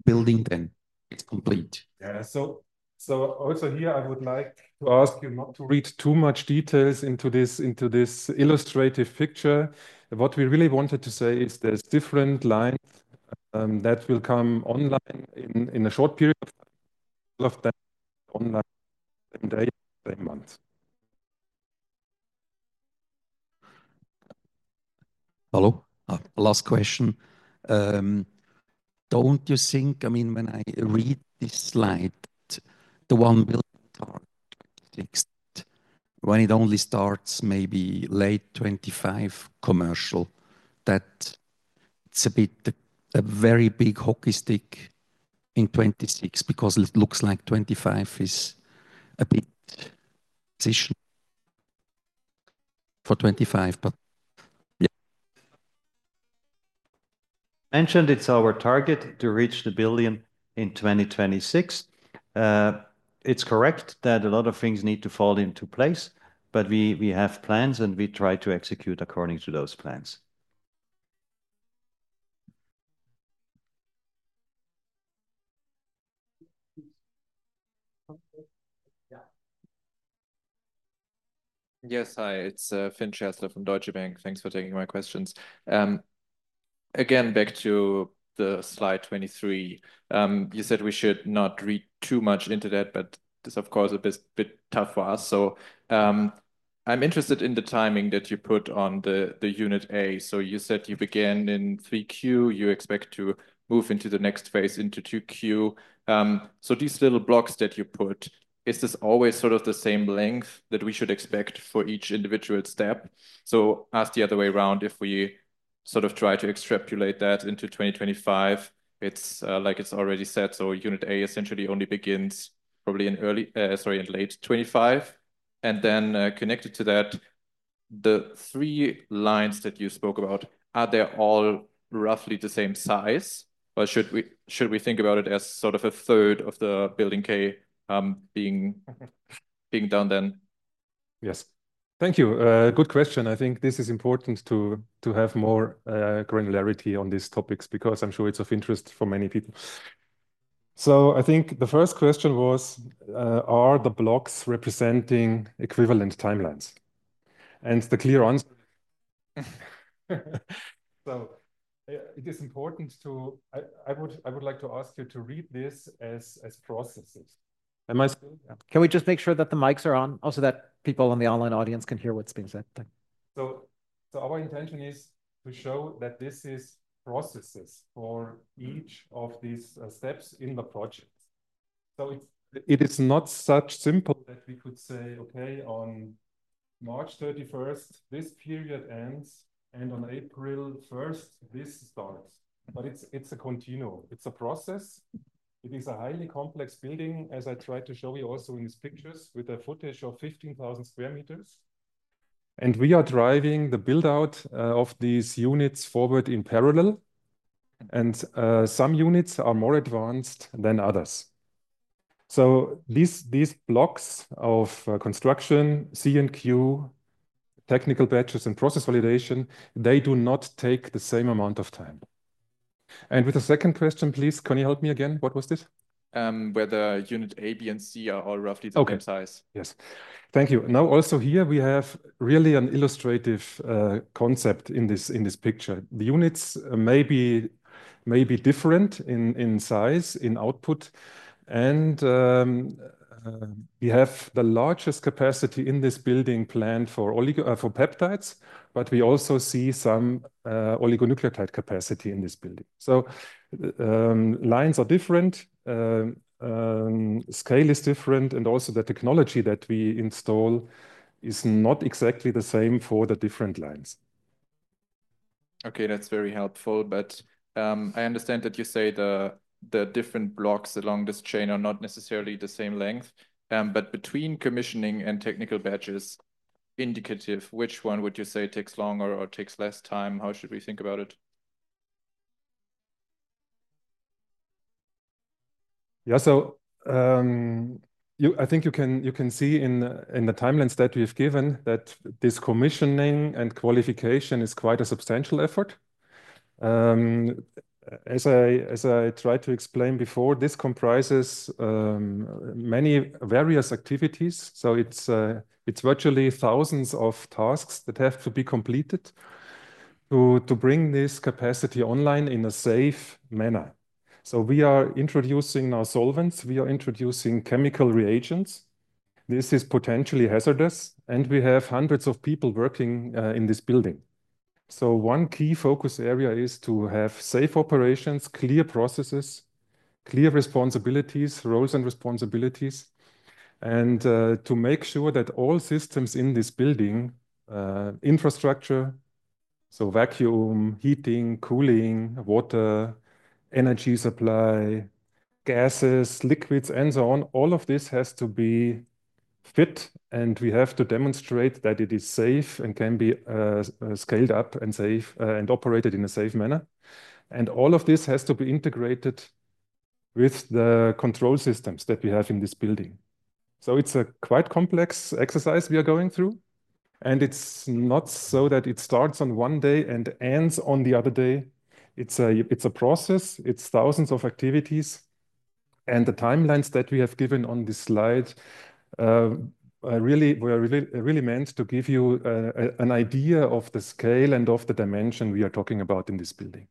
building K, it's complete. Yeah, so also here, I would like to ask you not to read too much details into this illustrative picture. What we really wanted to say is there's different lines that will come online in a short period of time. All of them online same day, same month.
Hello, last question. Don't you think, I mean, when I read this slide, the one building starts 2026, when it only starts maybe late 2025 commercial, that it's a bit very big hockey stick in 2026 because it looks like 2025 is a bit position for 2025, but yeah.
Mentioned it's our target to reach the billion in 2026. It's correct that a lot of things need to fall into place, but we have plans and we try to execute according to those plans.
Yes, hi, it's [Fin Schaessler] from Deutsche Bank. Thanks for taking my questions. Again, back to the slide 23. You said we should not read too much into that, but it's of course a bit tough for us. So I'm interested in the timing that you put on the unit A. So you said you began in 3Q. You expect to move into the next phase into 2Q. These little blocks that you put, is this always sort of the same length that we should expect for each individual step? Ask the other way around. If we sort of try to extrapolate that into 2025, it's like it's already said. Unit A essentially only begins probably in early, sorry, in late 2025. And then connected to that, the three lines that you spoke about, are they all roughly the same size? Or should we think about it as sort of a third of the Building K being done then?
Yes, thank you. Good question. I think this is important to have more granularity on these topics because I'm sure it's of interest for many people. I think the first question was, are the blocks representing equivalent timelines? And the clear answer. So it is important to. I would like to ask you to read this as processes. Am I still?
Can we just make sure that the mics are on? Also that people on the online audience can hear what's being said.
Our intention is to show that this is processes for each of these steps in the project. It is not so simple that we could say, okay, on March 31st, this period ends and on April 1st, this starts. But it's a continuum. It's a process. It is a highly complex building, as I tried to show you also in these pictures with the footage of 15,000 sq m. And we are driving the buildout of these units forward in parallel. And some units are more advanced than others. So these blocks of construction, C and Q, technical batches and process validation, they do not take the same amount of time.
And with the second question, please, can you help me again? What was this? Where the unit A, B, and C are all roughly the same size.
Yes, thank you. Now also here we have really an illustrative concept in this picture. The units may be different in size, in output. And we have the largest capacity in this building planned for peptides, but we also see some oligonucleotide capacity in this building. So lines are different. Scale is different. And also the technology that we install is not exactly the same for the different lines.
Okay, that's very helpful. But I understand that you say the different blocks along this chain are not necessarily the same length. But between commissioning and technical batches, indicative, which one would you say takes longer or takes less time? How should we think about it?
Yeah, so I think you can see in the timelines that we've given that this commissioning and qualification is quite a substantial effort. As I tried to explain before, this comprises many various activities. So it's virtually thousands of tasks that have to be completed to bring this capacity online in a safe manner. So we are introducing our solvents. We are introducing chemical reagents. This is potentially hazardous. And we have hundreds of people working in this building. So one key focus area is to have safe operations, clear processes, clear responsibilities, roles and responsibilities, and to make sure that all systems in this building, infrastructure, so vacuum, heating, cooling, water, energy supply, gases, liquids, and so on, all of this has to be fit. And we have to demonstrate that it is safe and can be scaled up and safe and operated in a safe manner. And all of this has to be integrated with the control systems that we have in this building. So it's a quite complex exercise we are going through. And it's not so that it starts on one day and ends on the other day. It's a process. It's thousands of activities. And the timelines that we have given on this slide, we are really meant to give you an idea of the scale and of the dimension we are talking about in this building.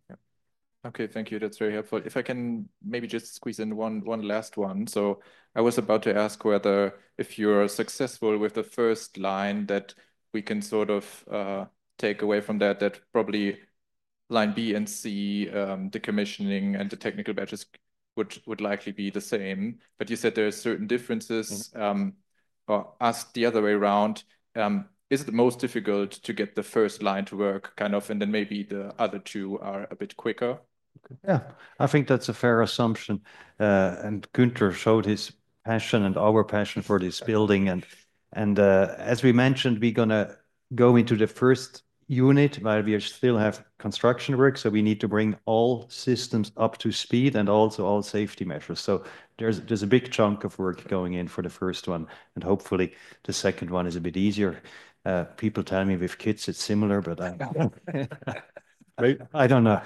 Okay, thank you. That's very helpful. If I can maybe just squeeze in one last one. So I was about to ask whether, if you're successful with the first line, that we can sort of take away from that, that probably line B and C, the commissioning and the technical batches, would likely be the same. But you said there are certain differences. Or asked the other way around, is it the most difficult to get the first line to work kind of, and then maybe the other two are a bit quicker?
Yeah, I think that's a fair assumption. And Günther showed his passion and our passion for this building. And as we mentioned, we're going to go into the first unit while we still have construction work. So we need to bring all systems up to speed and also all safety measures. So there's a big chunk of work going in for the first one. And hopefully the second one is a bit easier. People tell me with kids it's similar, but I don't know.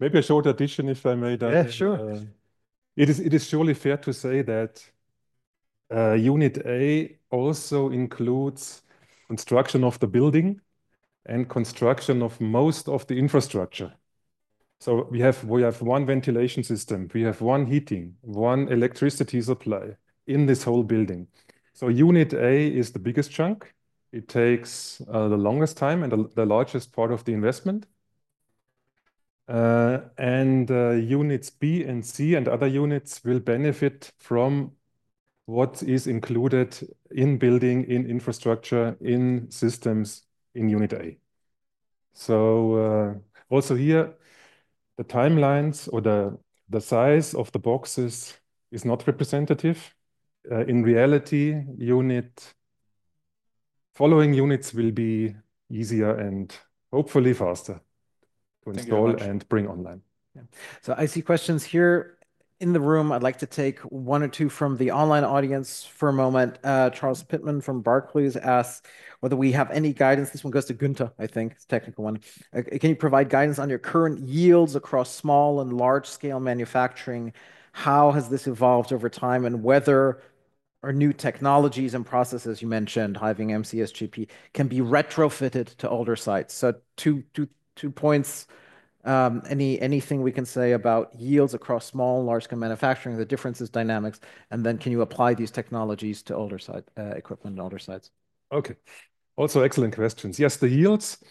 Maybe a short addition if I may.
Yeah, sure.
It is surely fair to say that unit A also includes construction of the building and construction of most of the infrastructure, so we have one ventilation system. We have one heating, one electricity supply in this whole building, so unit A is the biggest chunk. It takes the longest time and the largest part of the investment, and units B and C and other units will benefit from what is included in building, in infrastructure, in systems in unit A, so also here, the timelines or the size of the boxes is not representative. In reality, following units will be easier and hopefully faster to install and bring online,
so I see questions here in the room. I'd like to take one or two from the online audience for a moment. Charles Pitman from Barclays has asked whether we have any guidance. This one goes to Günther, I think, the technical one. Can you provide guidance on your current yields across small and large-scale manufacturing? How has this evolved over time and whether our new technologies and processes you mentioned, Hiving, MCSGP, can be retrofitted to older sites? So two points. Anything we can say about yields across small and large-scale manufacturing, the differences, dynamics, and then can you apply these technologies to older equipment and older sites?
Okay. Also excellent questions. Yes, the yields.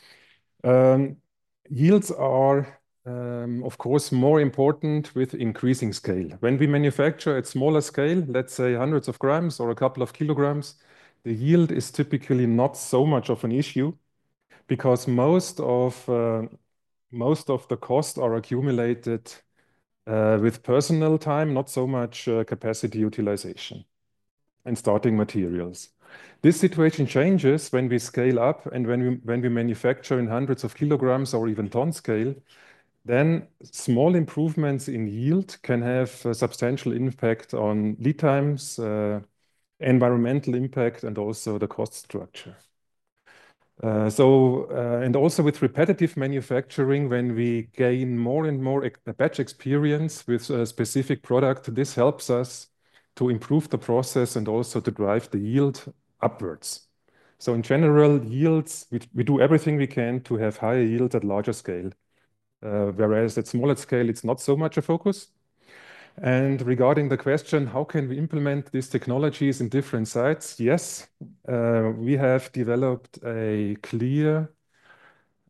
Yields are, of course, more important with increasing scale. When we manufacture at smaller scale, let's say hundreds of grams or a couple of kilograms, the yield is typically not so much of an issue because most of the costs are accumulated with personal time, not so much capacity utilization and starting materials. This situation changes when we scale up and when we manufacture in hundreds of kilograms or even ton scale, then small improvements in yield can have a substantial impact on lead times, environmental impact, and also the cost structure, and also with repetitive manufacturing, when we gain more and more batch experience with a specific product, this helps us to improve the process and also to drive the yield upwards. So in general, yields, we do everything we can to have higher yields at larger scale, whereas at smaller scale, it's not so much a focus. Regarding the question, how can we implement these technologies in different sites? Yes, we have developed a clear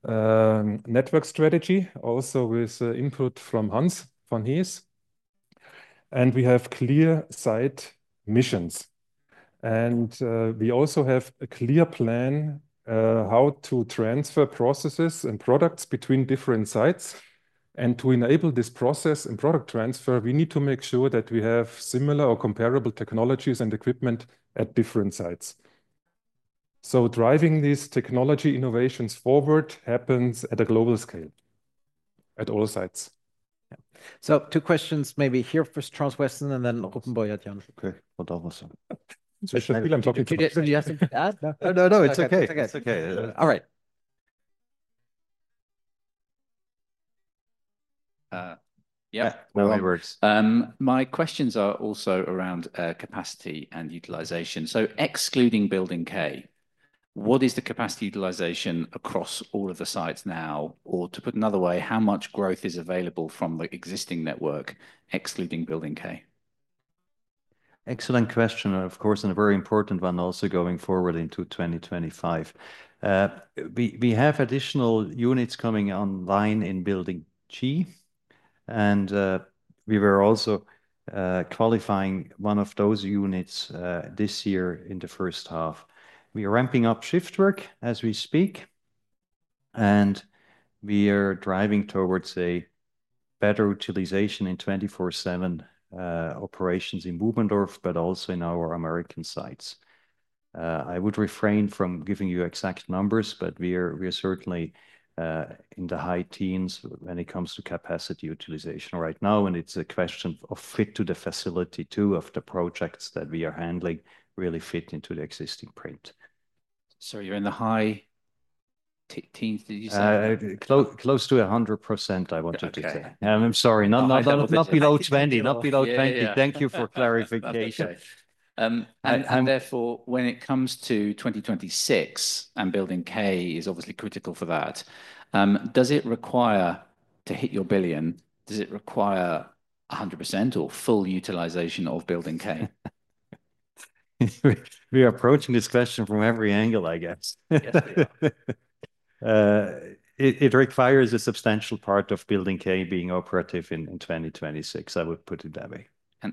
network strategy, also with input from Hans van Hees. We have clear site missions. We also have a clear plan how to transfer processes and products between different sites. To enable this process and product transfer, we need to make sure that we have similar or comparable technologies and equipment at different sites. Driving these technology innovations forward happens at a global scale at all sites.
Two questions maybe here first, Charles Weston, and then open Q&A at the end. Okay, whatever. I feel I'm talking too much.
No, no, no, it's okay. It's okay. All right.
Yeah, no worries. My questions are also around capacity and utilization. Excluding Building K, what is the capacity utilization across all of the sites now? Or to put another way, how much growth is available from the existing network, excluding Building K?
Excellent question, and of course, and a very important one also going forward into 2025. We have additional units coming online in Building G. And we were also qualifying one of those units this year in the first half. We are ramping up shift work as we speak. And we are driving towards a better utilization in 24/7 operations in Bubendorf, but also in our American sites. I would refrain from giving you exact numbers, but we are certainly in the high teens when it comes to capacity utilization right now. And it's a question of fit to the facility too, of the projects that we are handling really fit into the existing footprint. So you're in the high teens, did you say?
Close to 100%, I wanted to say.
I'm sorry, not below 20, not below 20. Thank you for clarification
and therefore, when it comes to 2026 and Building K is obviously critical for that, does it require to hit your billion, does it require 100% or full utilization of Building K?
We are approaching this question from every angle, I guess. It requires a substantial part of Building K being operative in 2026, I would put it that way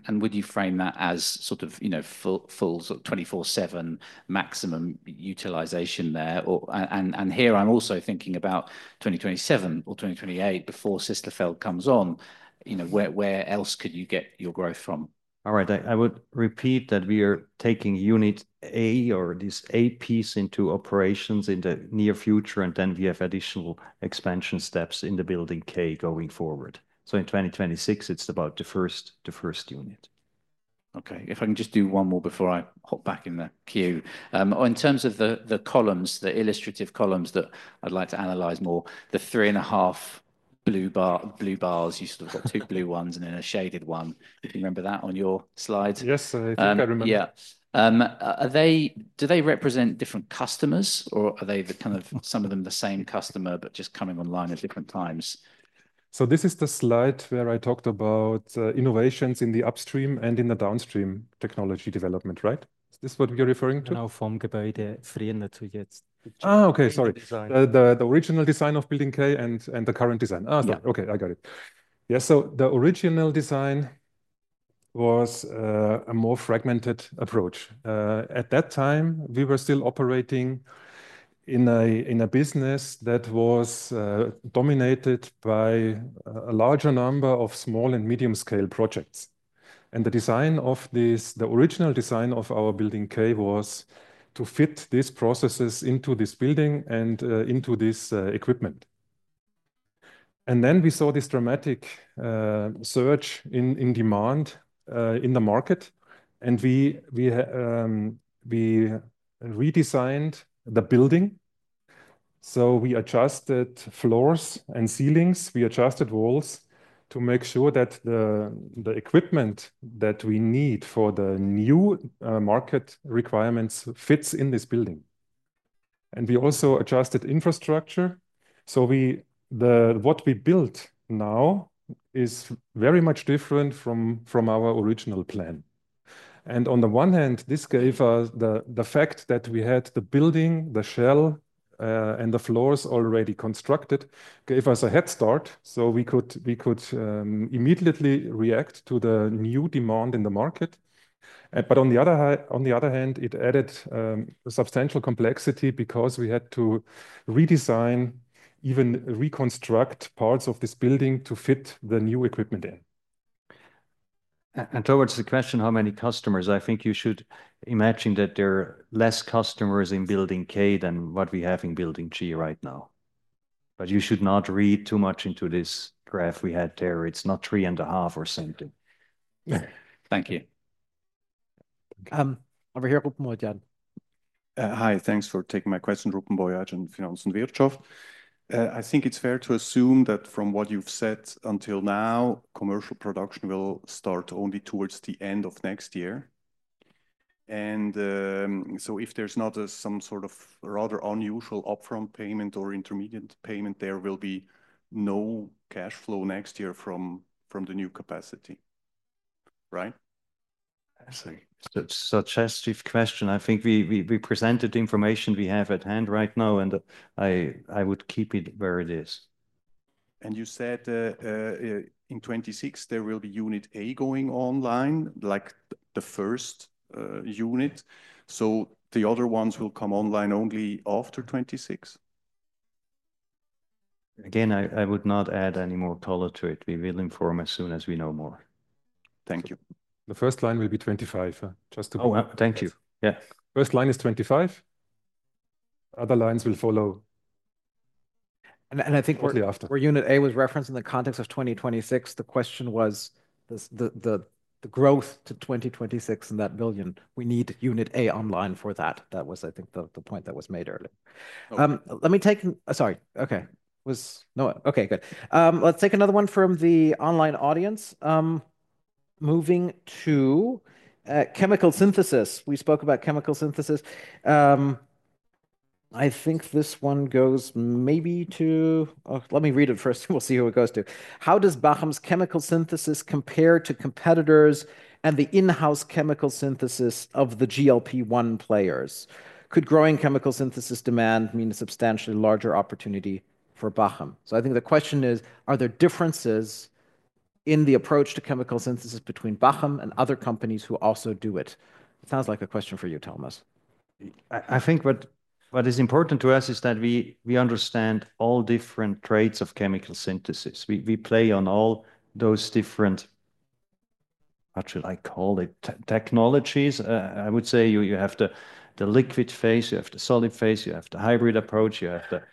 and would you frame that as sort of full 24/7 maximum utilization there? Here I'm also thinking about 2027 or 2028 before Sisslerfeld comes on. Where else could you get your growth from?
All right, I would repeat that we are taking unit A or this A piece into operations in the near future, and then we have additional expansion steps in the Building K going forward so in 2026, it's about the first unit.
Okay, if I can just do one more before I hop back in the queue. In terms of the columns, the illustrative columns that I'd like to analyze more, the three and a half blue bars, you sort of got two blue ones and then a shaded one. Do you remember that on your slides?
Yes, I think I remember. Yeah. Do they represent different customers or are they the kind of some of them the same customer but just coming online at different times?
So this is the slide where I talked about innovations in the upstream and in the downstream technology development, right? Is this what you're referring to?
Okay, sorry. The original design of Building K and the current design. Okay, I got it. Yeah, so the original design was a more fragmented approach. At that time, we were still operating in a business that was dominated by a larger number of small and medium-scale projects, and the design of this, the original design of our Building K was to fit these processes into this building and into this equipment. And then we saw this dramatic surge in demand in the market, and we redesigned the building, so we adjusted floors and ceilings. We adjusted walls to make sure that the equipment that we need for the new market requirements fits in this building, and we also adjusted infrastructure. So what we built now is very much different from our original plan, and on the one hand, this gave us the fact that we had the building, the shell, and the floors already constructed, gave us a head start, so we could immediately react to the new demand in the market. But on the other hand, it added substantial complexity because we had to redesign, even reconstruct parts of this building to fit the new equipment in.
And towards the question how many customers, I think you should imagine that there are less customers in building K than what we have in building G right now. But you should not read too much into this graph we had there. It's not three and a half or something. Yeah, thank you.
Over here, Rupen Boyadjian.
Hi, thanks for taking my question, Rupen Boyadjian from Finanz und Wirtschaft. I think it's fair to assume that from what you've said until now, commercial production will start only towards the end of next year. And so if there's not some sort of rather unusual upfront payment or intermediate payment, there will be no cash flow next year from the new capacity, right?
I see. Such a stiff question. I think we presented the information we have at hand right now, and I would keep it where it is.
And you said in 2026, there will be unit A going online, like the first unit. So the other ones will come online only after 2026?
Again, I would not add any more color to it. We will inform as soon as we know more. Thank you.
The first line will be 2025, just to be clear.
Oh, thank you. Yeah.
First line is 2025. Other lines will follow.
And I think unit A was referenced in the context of 2026. The question was the growth to 2026 in that billion. We need unit A online for that. That was, I think, the point that was made earlier.
Let me take, sorry. Okay. Okay, good. Let's take another one from the online audience. Moving to chemical synthesis. We spoke about chemical synthesis. I think this one goes maybe to, let me read it first. We'll see who it goes to. How does Bachem's chemical synthesis compare to competitors and the in-house chemical synthesis of the GLP-1 players? Could growing chemical synthesis demand mean a substantially larger opportunity for Bachem? So I think the question is, are there differences in the approach to chemical synthesis between Bachem and other companies who also do it? It sounds like a question for you, Thomas.
I think what is important to us is that we understand all different traits of chemical synthesis. We play on all those different (how should I call it?) technologies. I would say you have the liquid phase, you have the solid phase, you have the hybrid approach, you have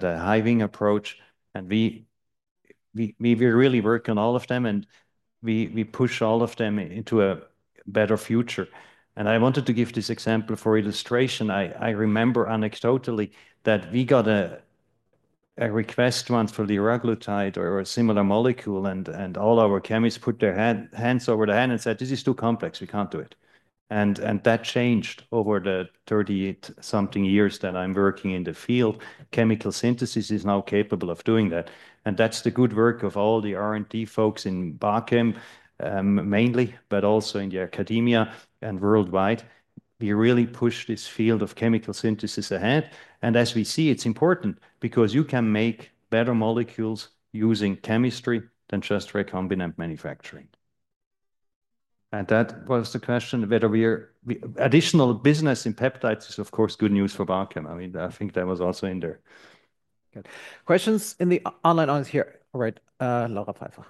the Hiving approach. And we really work on all of them, and we push all of them into a better future. And I wanted to give this example for illustration. I remember anecdotally that we got a request once for the liraglutide or a similar molecule, and all our chemists put their hands over their head and said, "This is too complex. We can't do it." And that changed over the 30-something years that I'm working in the field. Chemical synthesis is now capable of doing that. And that's the good work of all the R&D folks in Bachem, mainly, but also in the academia and worldwide. We really push this field of chemical synthesis ahead. And as we see, it's important because you can make better molecules using chemistry than just recombinant manufacturing. And that was the question whether we are additional business in peptides is, of course, good news for Bachem. I mean, I think that was also in there.
Questions in the online audience here. All right, Laura Pfeiffer.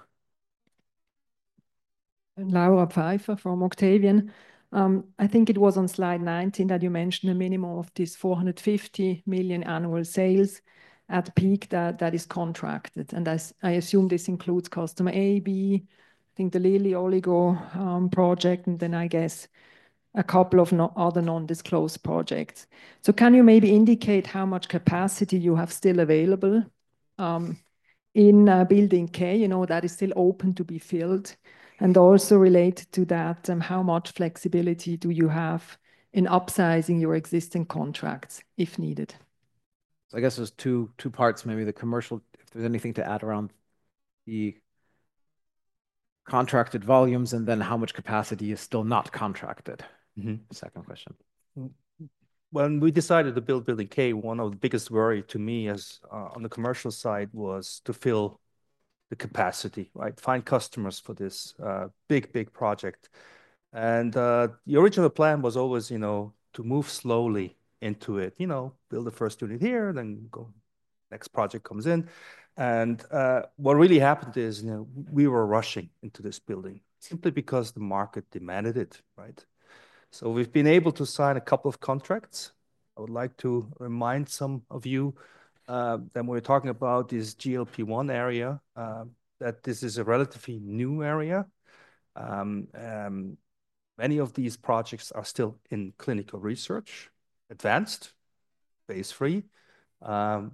Laura Pfeiffer from Octavian. I think it was on slide 19 that you mentioned a minimum of this 450 million annual sales at peak that is contracted. And I assume this includes customer A, B, I think the Lilly Oligo project, and then I guess a couple of other non-disclosed projects. So can you maybe indicate how much capacity you have still available in Building K? You know, that is still open to be filled. And also related to that, how much flexibility do you have in upsizing your existing contracts if needed?
So I guess there's two parts. Maybe the commercial, if there's anything to add around the contracted volumes and then how much capacity is still not contracted. Second question. When we decided to build Building K, one of the biggest worries to me on the commercial side was to fill the capacity, right? Find customers for this big, big project. And the original plan was always, you know, to move slowly into it, you know, build the first unit here, then go next project comes in. And what really happened is, you know, we were rushing into this building simply because the market demanded it, right? So we've been able to sign a couple of contracts. I would like to remind some of you that when we're talking about this GLP-1 area, that this is a relatively new area. Many of these projects are still in clinical research, advanced, phase three. But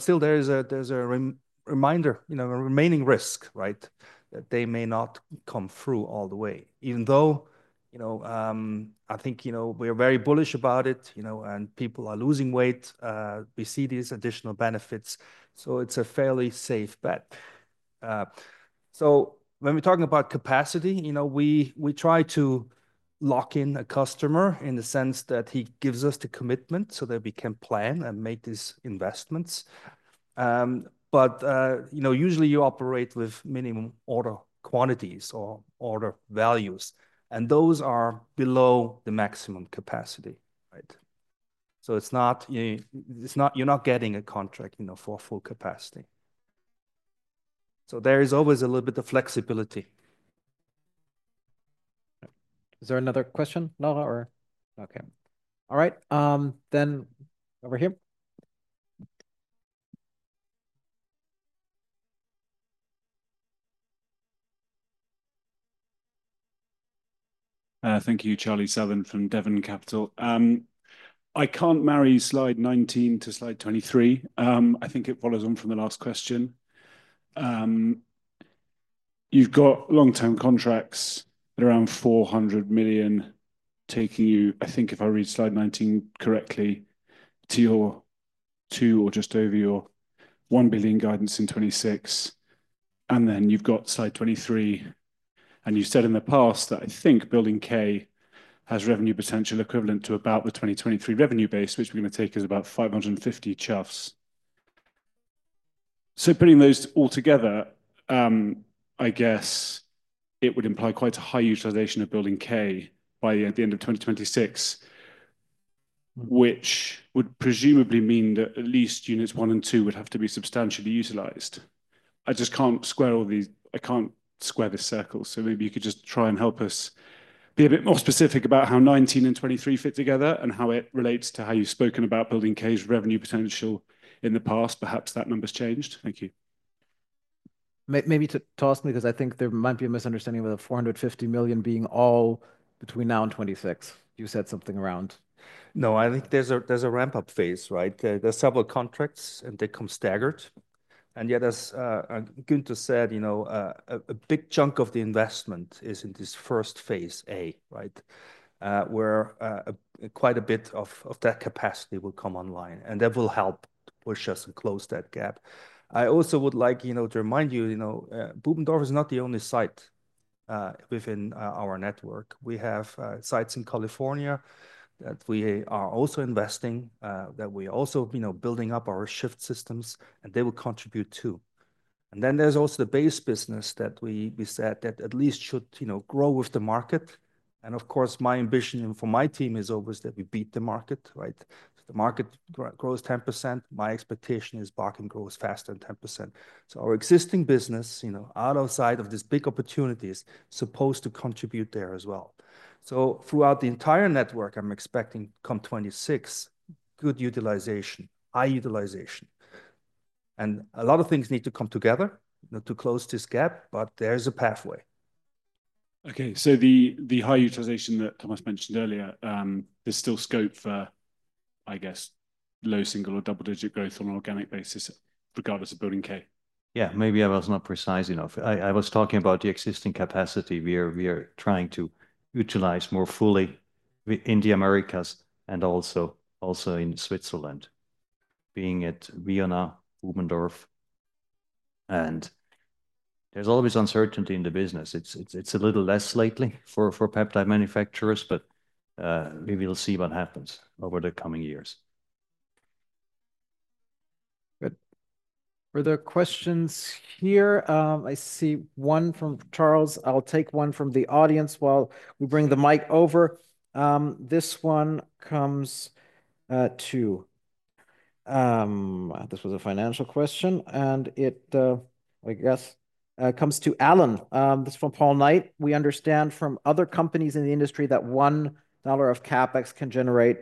still, there's a reminder, you know, a remaining risk, right? That they may not come through all the way. Even though, you know, I think, you know, we're very bullish about it, you know, and people are losing weight. We see these additional benefits. So it's a fairly safe bet. So when we're talking about capacity, you know, we try to lock in a customer in the sense that he gives us the commitment so that we can plan and make these investments. But, you know, usually you operate with minimum order quantities or order values. And those are below the maximum capacity, right? So it's not, you're not getting a contract, you know, for full capacity. So there is always a little bit of flexibility.
Is there another question, Laura or? Okay. All right. Then over here.
Thank you, Charlie Southern from Devon Capital. I can marry slide 19 to slide 23. I think it follows on from the last question. You've got long-term contracts at around 400 million, taking you, I think if I read slide 19 correctly, to your two or just over your 1 billion guidance in 2026. And then you've got slide 23. And you said in the past that I think building K has revenue potential equivalent to about the 2023 revenue base, which we're going to take as about 550 million. So putting those all together, I guess it would imply quite a high utilization of building K by the end of 2026, which would presumably mean that at least units one and two would have to be substantially utilized. I just can't square all these. I can't square this circle.
So maybe you could just try and help us be a bit more specific about how 19 and 23 fit together and how it relates to how you've spoken about Building K's revenue potential in the past. Perhaps that number's changed. Thank you.
Maybe to ask me because I think there might be a misunderstanding with the 450 million being all between now and 26. You said something around. No, I think there's a ramp-up phase, right? There's several contracts and they come staggered. And yet as Günther said, you know, a big chunk of the investment is in this first phase A, right? Where quite a bit of that capacity will come online and that will help push us and close that gap. I also would like, you know, to remind you, you know, Bubendorf is not the only site within our network. We have sites in California that we are also investing, you know, building up our shift systems and they will contribute too. And then there's also the base business that we said at least should, you know, grow with the market. And of course, my ambition for my team is always that we beat the market, right? If the market grows 10%, my expectation is Bachem grows faster than 10%. So our existing business, you know, outside of this big opportunity is supposed to contribute there as well. So throughout the entire network, I'm expecting come 2026, good utilization, high utilization. And a lot of things need to come together to close this gap, but there's a pathway.
Okay, so the high utilization that Thomas mentioned earlier, there's still scope for, I guess, low single or double-digit growth on an organic basis regardless of Building K.
Yeah, maybe I was not precise enough. I was talking about the existing capacity. We are trying to utilize more fully in the Americas and also in Switzerland, being at Vionnaz, Bubendorf, and there's always uncertainty in the business. It's a little less lately for peptide manufacturers, but we will see what happens over the coming years.
Good. For the questions here, I see one from Charles. I'll take one from the audience while we bring the mic over. This one comes to, this was a financial question, and it, I guess, comes to Alain. This is from Paul Knight. We understand from other companies in the industry that $1 of CapEx can generate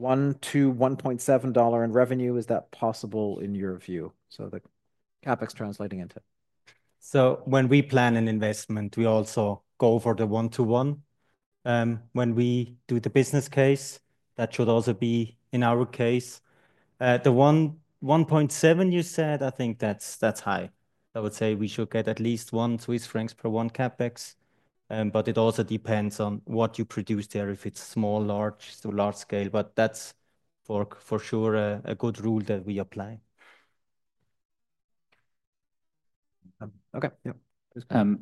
$1-$1.7 in revenue. Is that possible in your view?
So the CapEx translating into so when we plan an investment, we also go for the one-to-one. When we do the business case, that should also be in our case. The 1.7 you said, I think that's high. I would say we should get at least one Swiss franc per one CapEx. But it also depends on what you produce there, if it's small, large to large scale. But that's for sure a good rule that we apply.
Okay, yeah.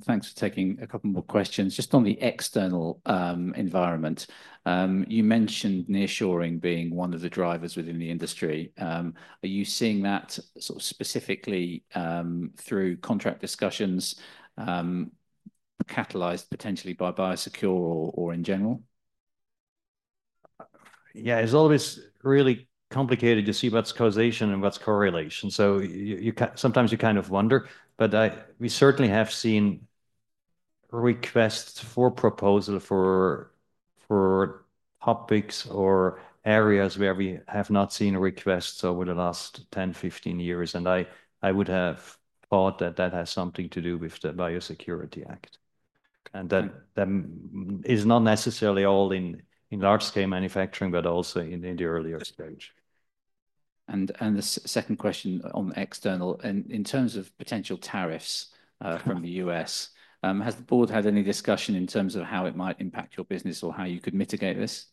Thanks for taking a couple more questions. Just on the external environment, you mentioned nearshoring being one of the drivers within the industry. Are you seeing that sort of specifically through contract discussions catalyzed potentially by Biosecure or in general?
Yeah, it's always really complicated to see what's causation and what's correlation. So sometimes you kind of wonder, but we certainly have seen requests for proposals for topics or areas where we have not seen a request over the last 10, 15 years. And I would have thought that that has something to do with the Biosecure Act. And that is not necessarily all in large-scale manufacturing, but also in the earlier stage.
And the second question on the external, in terms of potential tariffs from the U.S., has the board had any discussion in terms of how it might impact your business or how you could mitigate this?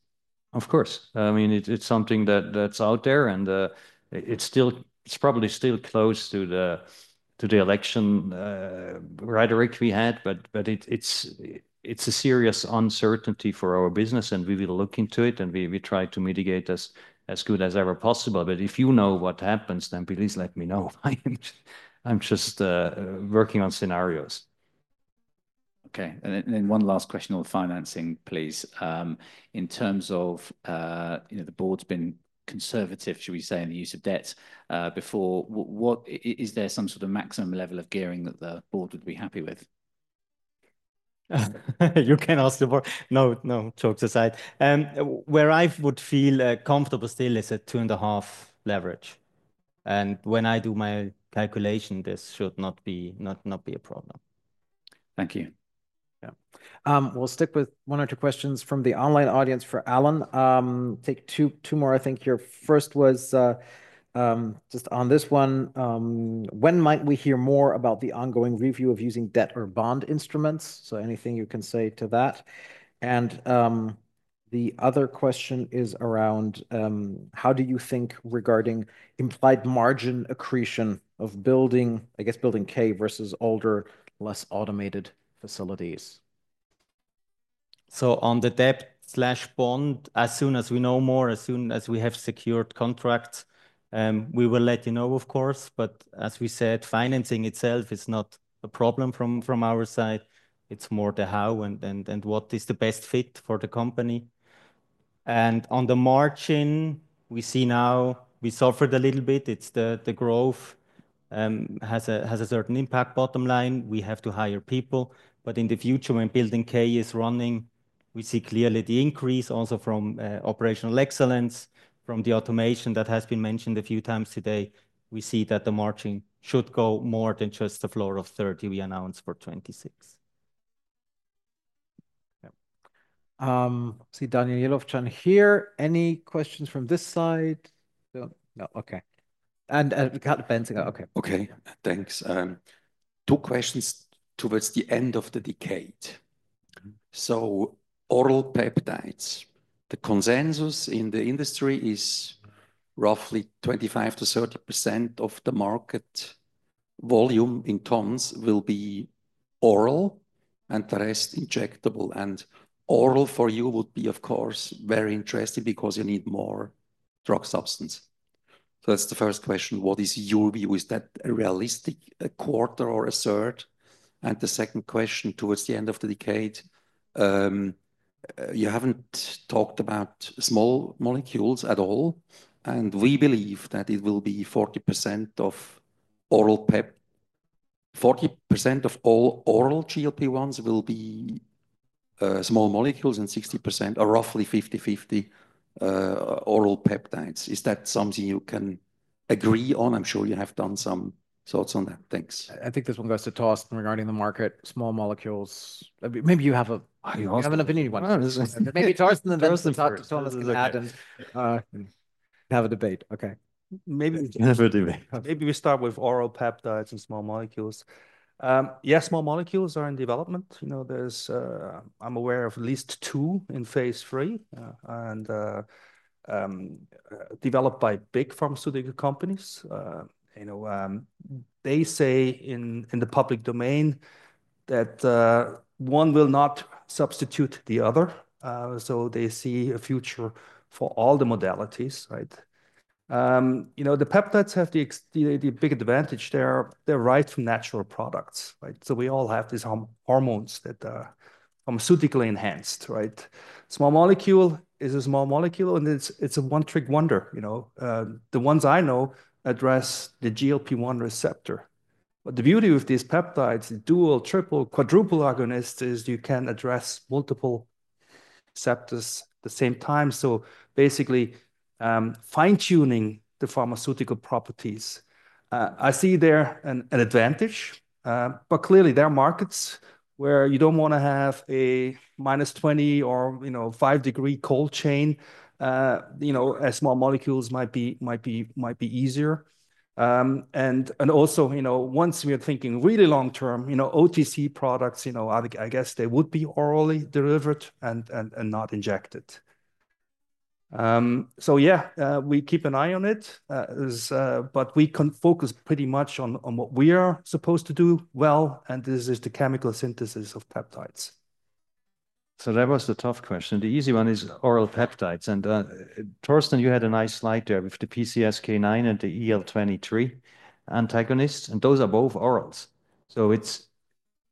Of course. I mean, it's something that's out there and it's probably still close to the election rhetoric we had, but it's a serious uncertainty for our business and we will look into it and we try to mitigate as good as ever possible. But if you know what happens, then please let me know. I'm just working on scenarios.
Okay. And then one last question on financing, please. In terms of,
you know, the board's been conservative, should we say, in the use of debt before, is there some sort of maximum level of gearing that the board would be happy with? You can ask the board. No, no, jokes aside. Where I would feel comfortable still is at two and a half leverage. And when I do my calculation, this should not be a problem.
Thank you.
Yeah. We'll stick with one or two questions from the online audience for Alain. Take two more, I think. Your first was just on this one. When might we hear more about the ongoing review of using debt or bond instruments? So anything you can say to that. The other question is around how do you think regarding implied margin accretion of Building K, I guess, versus older, less automated facilities.
So on the debt/bond, as soon as we know more, as soon as we have secured contracts, we will let you know, of course. But as we said, financing itself is not a problem from our side. It's more the how and what is the best fit for the company. And on the margin, we see now we suffered a little bit. It's the growth has a certain impact bottom line. We have to hire people. But in the future, when Building K is running, we see clearly the increase also from operational excellence, from the automation that has been mentioned a few times today. We see that the margin should go more than just the floor of 30% we announced for 2026.
See Daniel Grotzky here. Any questions from this side? No. Okay. And we got the fancy guy.
Okay. Okay. Thanks. Two questions towards the end of the decade. So oral peptides, the consensus in the industry is roughly 25%-30% of the market volume in tons will be oral and the rest injectable. And oral for you would be, of course, very interesting because you need more drug substance. So that's the first question. What is your view? Is that a realistic quarter or a third? And the second question towards the end of the decade, you haven't talked about small molecules at all. And we believe that it will be 40% of oral pep, 40% of all oral GLP-1s will be small molecules and 60% or roughly 50-50 oral peptides. Is that something you can agree on? I'm sure you have done some thoughts on that. Thanks.
I think this one goes to Torsten regarding the market, small molecules. Maybe you have a—I have an opinion one. Maybe Torsten and then Torsten can add and have a debate.
Okay. Maybe we start with oral peptides and small molecules. Yeah, small molecules are in development. You know, I'm aware of at least two in phase III and developed by big pharmaceutical companies. You know, they say in the public domain that one will not substitute the other. So they see a future for all the modalities, right? You know, the peptides have the big advantage there. They're right from natural products, right? So we all have these hormones that are pharmaceutically enhanced, right? Small molecule is a small molecule and it's a one-trick wonder. You know, the ones I know address the GLP-1 receptor. But the beauty with these peptides, the dual, triple, quadruple agonist is you can address multiple receptors at the same time. So basically, fine-tuning the pharmaceutical properties. I see there an advantage, but clearly there are markets where you don't want to have a minus 20 or, you know, five-degree cold chain. You know, as small molecules might be easier. And also, you know, once we are thinking really long-term, you know, OTC products, you know, I guess they would be orally delivered and not injected. So yeah, we keep an eye on it, but we can focus pretty much on what we are supposed to do well. And this is the chemical synthesis of peptides.
So that was the tough question. The easy one is oral peptides. And Torsten, you had a nice slide there with the PCSK9 and the IL-23 antagonist. And those are both orals. So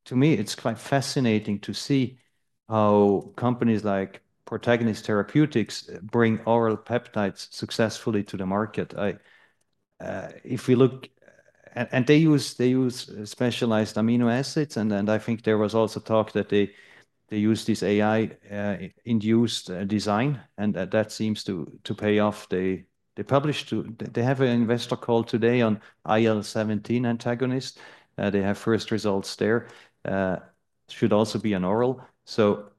to me, it's quite fascinating to see how companies like Protagonist Therapeutics bring oral peptides successfully to the market. If we look, and they use specialized amino acids, and I think there was also talk that they use this AI-induced design, and that seems to pay off. They published. They have an investor call today on IL-17 antagonist. They have first results there. Should also be an oral. So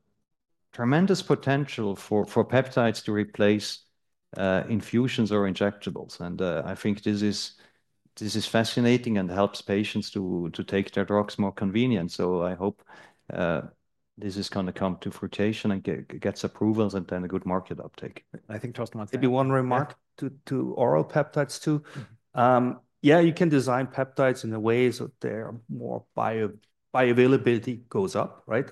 tremendous potential for peptides to replace infusions or injectables. And I think this is fascinating and helps patients to take their drugs more conveniently. So I hope this is going to come to fruition and gets approvals and then a good market uptake. I think Torsten wants to, maybe one remark to oral peptides too.
Yeah, you can design peptides in a way so their bioavailability goes up, right?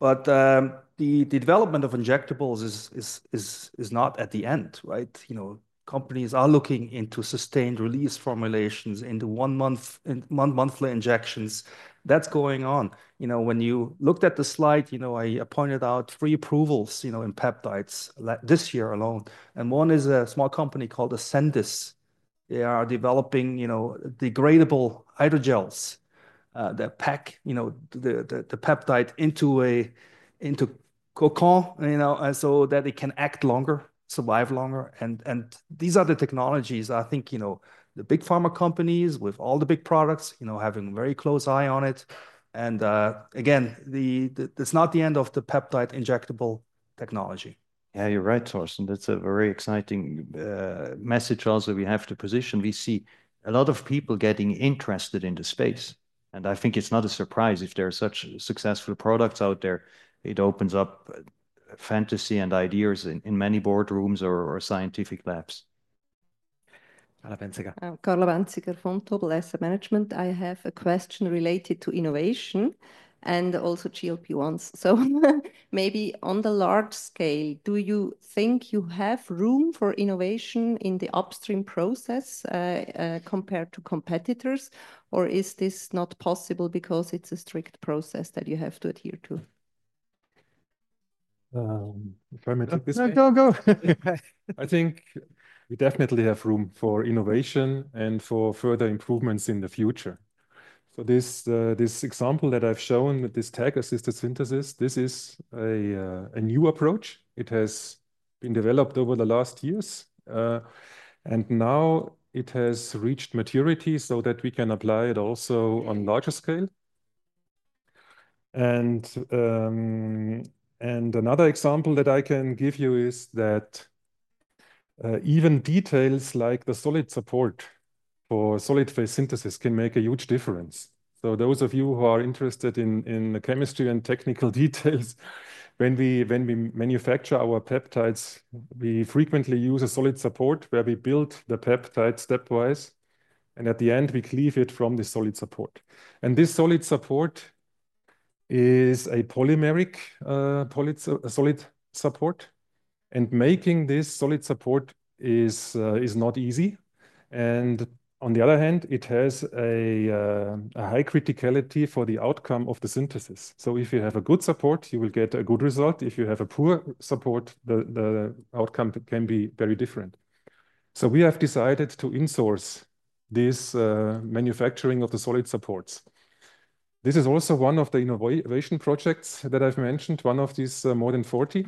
But the development of injectables is not at the end, right? You know, companies are looking into sustained release formulations into one-monthly injections. That's going on. You know, when you looked at the slide, you know, I pointed out three approvals, you know, in peptides this year alone, and one is a small company called Ascendis. They are developing, you know, degradable hydrogels. They pack, you know, the peptide into a cocoon, you know, so that it can act longer, survive longer. And these are the technologies I think, you know, the big pharma companies with all the big products, you know, having a very close eye on it. And again, it's not the end of the peptide injectable technology.
Yeah, you're right, Torsten. That's a very exciting message also we have to position. We see a lot of people getting interested in the space. And I think it's not a surprise if there are such successful products out there. It opens up fantasy and ideas in many boardrooms or scientific labs.
Carla Bänziger.
Carla bänziger from Vontobel Asset Management. I have a question related to innovation and also GLP-1s. So maybe on the large scale, do you think you have room for innovation in the upstream process compared to competitors? Or is this not possible because it is a strict process that you have to adhere to?
If I may take this—no, go, go. I think we definitely have room for innovation and for further improvements in the future. This example that I have shown with this tag-assisted synthesis is a new approach. It has been developed over the last years. And now it has reached maturity so that we can apply it also on larger scale. Another example that I can give you is that even details like the solid support for solid-phase synthesis can make a huge difference. So those of you who are interested in the chemistry and technical details, when we manufacture our peptides, we frequently use a solid support where we build the peptide stepwise. And at the end, we cleave it from the solid support. And this solid support is a polymeric solid support. And making this solid support is not easy. And on the other hand, it has a high criticality for the outcome of the synthesis. So if you have a good support, you will get a good result. If you have a poor support, the outcome can be very different. So we have decided to insource this manufacturing of the solid supports. This is also one of the innovation projects that I've mentioned, one of these more than 40.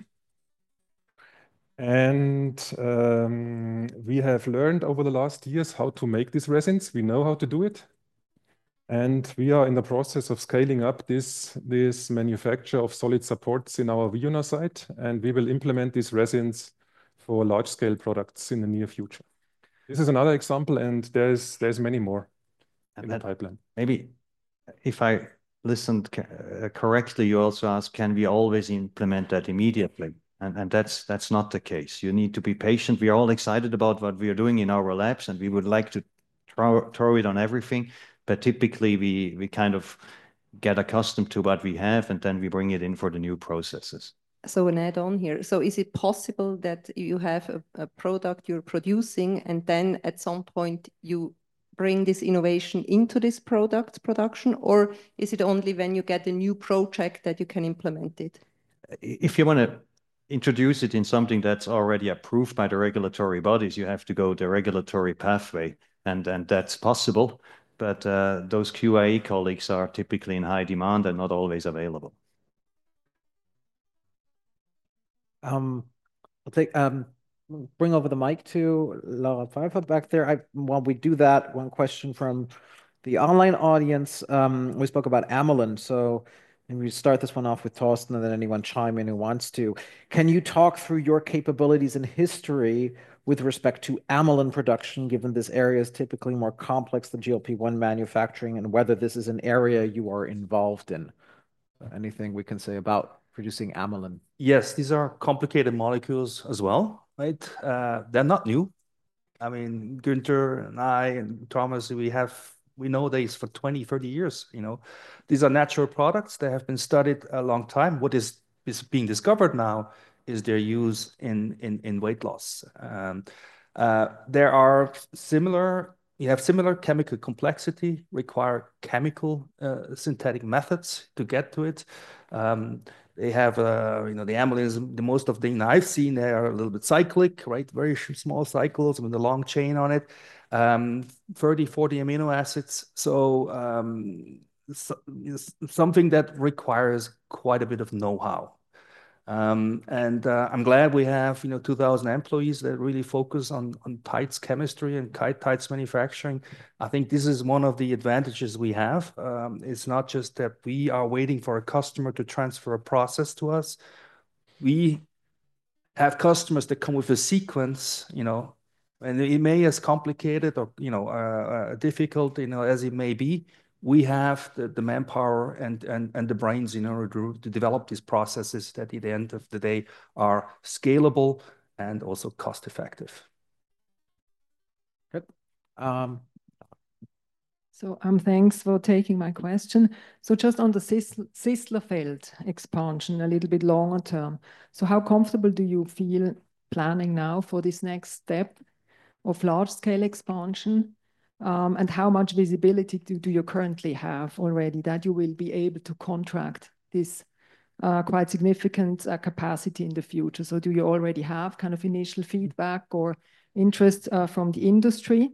And we have learned over the last years how to make this resins. We know how to do it. And we are in the process of scaling up this manufacture of solid supports in our Vionnaz site. And we will implement these resins for large-scale products in the near future. This is another example, and there's many more in the pipeline.
Maybe if I listened correctly, you also asked, can we always implement that immediately? And that's not the case. You need to be patient. We are all excited about what we are doing in our labs, and we would like to throw it on everything. But typically, we kind of get accustomed to what we have, and then we bring it in for the new processes.
So an add-on here. So is it possible that you have a product you're producing and then at some point you bring this innovation into this product production, or is it only when you get a new project that you can implement it?
If you want to introduce it in something that's already approved by the regulatory bodies, you have to go the regulatory pathway. And that's possible. But those C&Q colleagues are typically in high demand and not always available.
I'll bring over the mic to Laura Pfeiffer back there. While we do that, one question from the online audience. We spoke about amylin. So maybe we start this one off with Torsten and then anyone chime in who wants to. Can you talk through your capabilities in history with respect to amylin production, given this area is typically more complex than GLP-1 manufacturing and whether this is an area you are involved in? Anything we can say about producing amylin?
Yes, these are complicated molecules as well, right? They're not new. I mean, Günther and I and Thomas, we know these for 20, 30 years. You know, these are natural products. They have been studied a long time. What is being discovered now is their use in weight loss. There are similar. You have similar chemical complexity, require chemical synthetic methods to get to it. They have, you know, the Amylin, most of the things I've seen, they are a little bit cyclic, right? Very small cycles with a long chain on it. 30, 40 amino acids. So something that requires quite a bit of know-how. I'm glad we have, you know, 2,000 employees that really focus on TIDES chemistry and TIDES manufacturing. I think this is one of the advantages we have. It's not just that we are waiting for a customer to transfer a process to us. We have customers that come with a sequence, you know, and it may be as complicated or, you know, difficult, you know, as it may be. We have the manpower and the brains in order to develop these processes that at the end of the day are scalable and also cost-effective.
So thanks for taking my question. So just on the Sisslerfeld expansion, a little bit longer term. So how comfortable do you feel planning now for this next step of large-scale expansion? And how much visibility do you currently have already that you will be able to contract this quite significant capacity in the future? So do you already have kind of initial feedback or interest from the industry?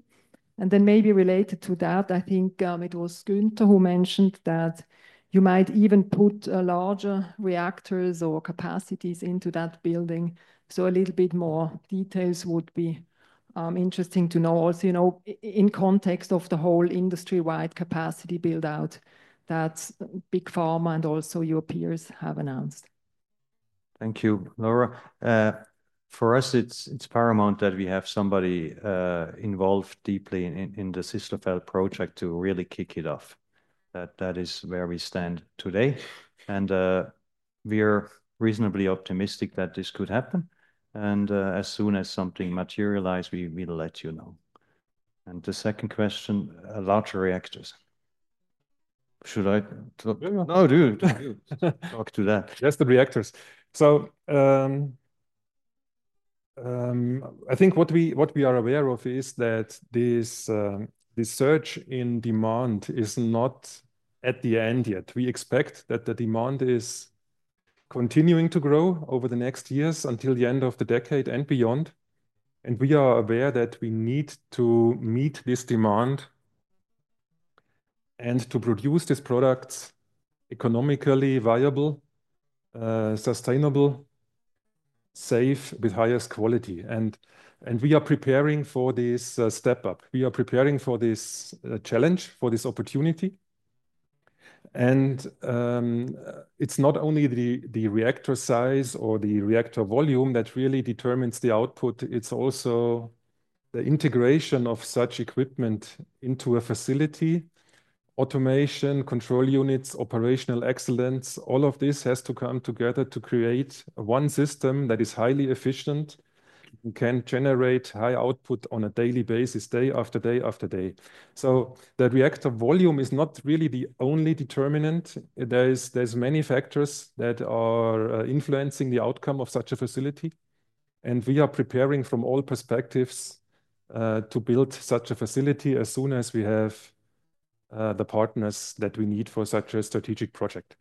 And then maybe related to that, I think it was Günther who mentioned that you might even put larger reactors or capacities into that building. So a little bit more details would be interesting to know also, you know, in context of the whole industry-wide capacity build-out that big pharma and also your peers have announced.
Thank you, Laura. For us, it's paramount that we have somebody involved deeply in the Sisslerfeld project to really kick it off. That is where we stand today. And we're reasonably optimistic that this could happen. And as soon as something materializes, we will let you know. And the second question, larger reactors. Should I talk? No, do talk to that. Just the reactors. So I think what we are aware of is that this surge in demand is not at the end yet. We expect that the demand is continuing to grow over the next years until the end of the decade and beyond. And we are aware that we need to meet this demand and to produce these products economically viable, sustainable, safe, with highest quality. And we are preparing for this step-up. We are preparing for this challenge, for this opportunity. And it's not only the reactor size or the reactor volume that really determines the output. It's also the integration of such equipment into a facility, automation, control units, operational excellence. All of this has to come together to create one system that is highly efficient and can generate high output on a daily basis, day after day after day. So the reactor volume is not really the only determinant. are many factors that are influencing the outcome of such a facility, and we are preparing from all perspectives to build such a facility as soon as we have the partners that we need for such a strategic project.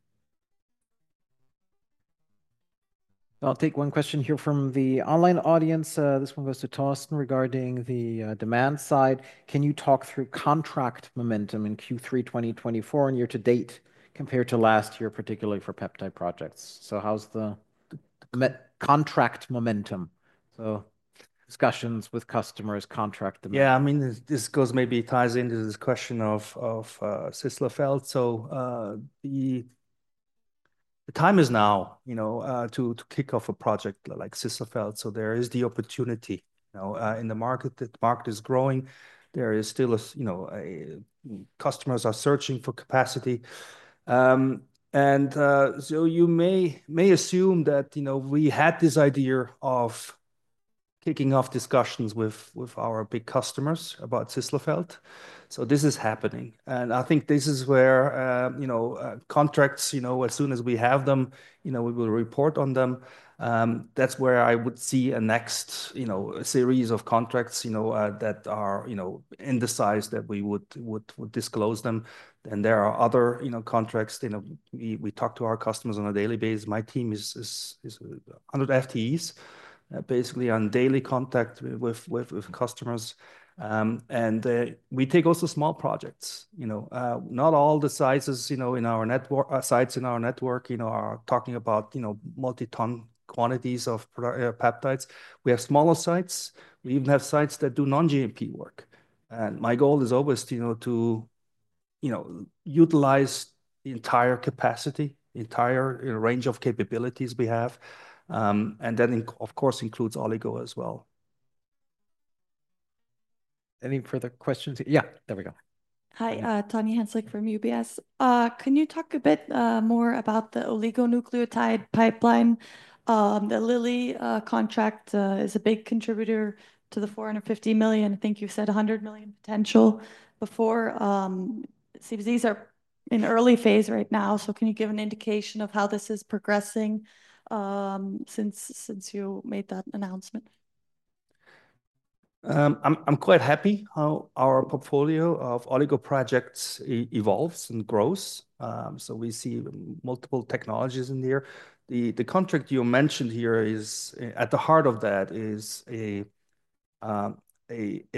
I'll take one question here from the online audience. This one goes to Torsten regarding the demand side. Can you talk through contract momentum in Q3 2024 and year to date compared to last year, particularly for peptide projects? So how's the contract momentum? So discussions with customers, contract demand.
Yeah, I mean, this goes maybe ties into this question of Sisslerfeld. The time is now, you know, to kick off a project like Sisslerfeld. There is the opportunity in the market. The market is growing. There is still, you know, customers are searching for capacity. And so you may assume that, you know, we had this idea of kicking off discussions with our big customers about Sisslerfeld. So this is happening. And I think this is where, you know, contracts, you know, as soon as we have them, you know, we will report on them. That's where I would see a next, you know, series of contracts, you know, that are, you know, in the size that we would disclose them. And there are other, you know, contracts. You know, we talk to our customers on a daily basis. My team is 100 FTEs, basically on daily contact with customers. And we take also small projects, you know. Not all the sizes, you know, in our network, sites in our network, you know, are talking about, you know, multi-ton quantities of peptides. We have smaller sites. We even have sites that do non-GMP work. My goal is always, you know, to, you know, utilize the entire capacity, the entire range of capabilities we have. And that, of course, includes oligo as well. Any further questions? Yeah, there we go.
Hi, [Tommy Henslick] from UBS. Can you talk a bit more about the oligonucleotide pipeline? The Lilly contract is a big contributor to the 450 million. I think you said 100 million potential before. It seems these are in early phase right now. So can you give an indication of how this is progressing since you made that announcement?
I'm quite happy how our portfolio of oligo projects evolves and grows. So we see multiple technologies in there. The contract you mentioned here is at the heart of that, is a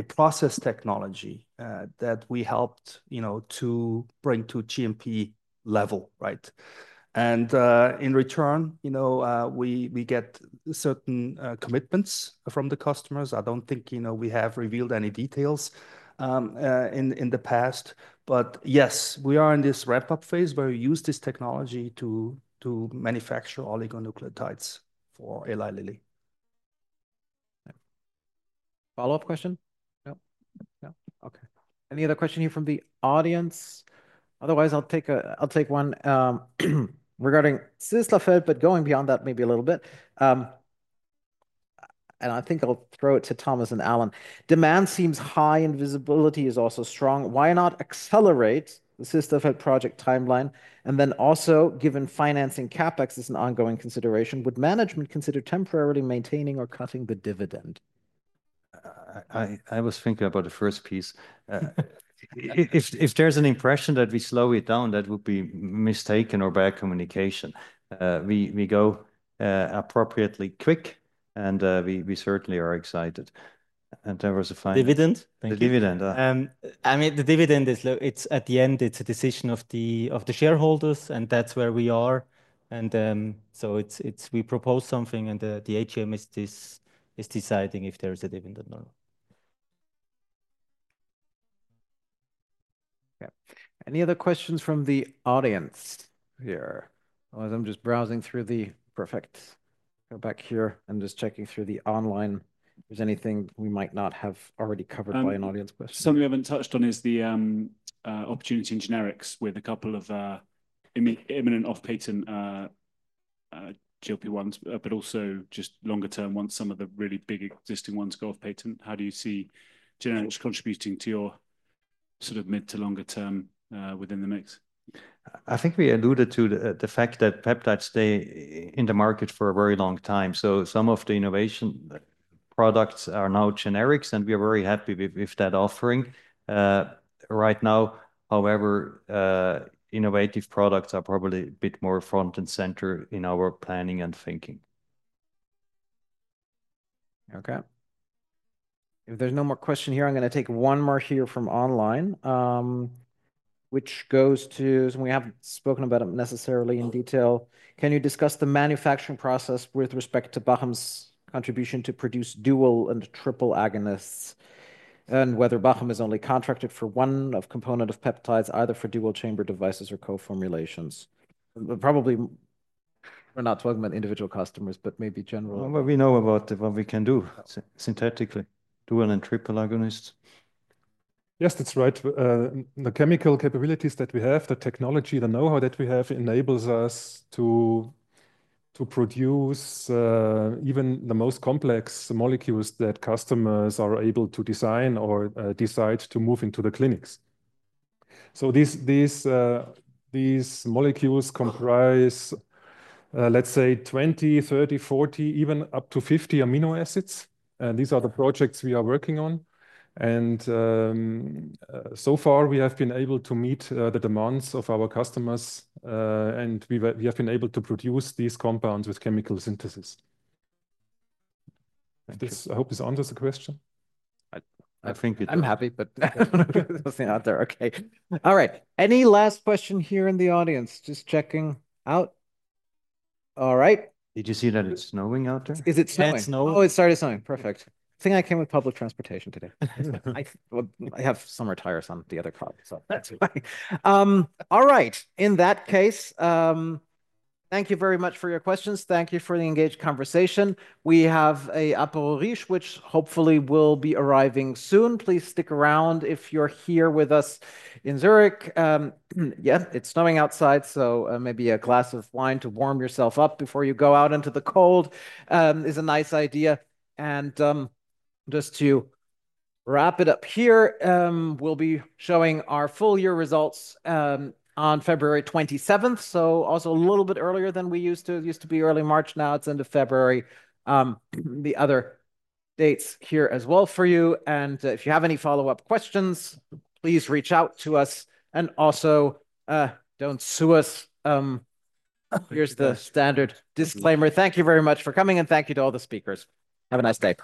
process technology that we helped, you know, to bring to GMP level, right? And in return, you know, we get certain commitments from the customers. I don't think, you know, we have revealed any details in the past. But yes, we are in this ramp-up phase where we use this technology to manufacture oligonucleotides for Eli Lilly. Follow-up question?
No. Okay. Any other question here from the audience? Otherwise, I'll take one. Regarding Sisslerfeld, but going beyond that maybe a little bit. And I think I'll throw it to Thomas and Alain. Demand seems high and visibility is also strong. Why not accelerate the Sisslerfeld project timeline? And then also, given financing CapEx is an ongoing consideration, would management consider temporarily maintaining or cutting the dividend?
I was thinking about the first piece. If there's an impression that we slow it down, that would be mistaken or bad communication. We go appropriately quick, and we certainly are excited. There was a final dividend. Thank you. The dividend. I mean, the dividend is low. It's at the end, it's a decision of the shareholders, and that's where we are. And so we propose something, and the AGM is deciding if there is a dividend or not.
Any other questions from the audience here? As I'm just browsing through the feedback. Go back here. I'm just checking through the online. Is there anything we might not have already covered by an audience question?
Something we haven't touched on is the opportunity in generics with a couple of imminent off-patent GLP-1s, but also just longer term once some of the really big existing ones go off-patent. How do you see generics contributing to your sort of mid to longer term within the mix?
I think we alluded to the fact that peptides stay in the market for a very long time. So some of the innovative products are now generics, and we are very happy with that offering. Right now, however, innovative products are probably a bit more front and center in our planning and thinking.
Okay. If there's no more question here, I'm going to take one more here from online, which goes to, and we haven't spoken about it necessarily in detail. Can you discuss the manufacturing process with respect to Bachem's contribution to produce dual and triple agonists and whether Bachem is only contracted for one component of peptides, either for dual chamber devices or co-formulations? Probably we're not talking about individual customers, but maybe general. What we know about what we can do synthetically, dual and triple agonists.
Yes, that's right. The chemical capabilities that we have, the technology, the know-how that we have enables us to produce even the most complex molecules that customers are able to design or decide to move into the clinics. So these molecules comprise, let's say, 20, 30, 40, even up to 50 amino acids. And these are the projects we are working on. And so far, we have been able to meet the demands of our customers, and we have been able to produce these compounds with chemical synthesis. I hope this answers the question.
I think it does. I'm happy, but there's nothing out there. Okay. All right. Any last question here in the audience? Just checking out. All right. Did you see that it's snowing out there? Is it snowing? Oh, it started snowing. Perfect. I think I came with public transportation today. I have summer tires on the other car, so that's why. All right. In that case, thank you very much for your questions. Thank you for the engaged conversation. We have an Aperol Spritz, which hopefully will be arriving soon. Please stick around if you're here with us in Zurich. Yeah, it's snowing outside, so maybe a glass of wine to warm yourself up before you go out into the cold is a nice idea. And just to wrap it up here, we'll be showing our full year results on February 27th, so also a little bit earlier than we used to. It used to be early March. Now it's end of February. The other dates here as well for you. And if you have any follow-up questions, please reach out to us. And also, don't sue us. Here's the standard disclaimer. Thank you very much for coming, and thank you to all the speakers. Have a nice day.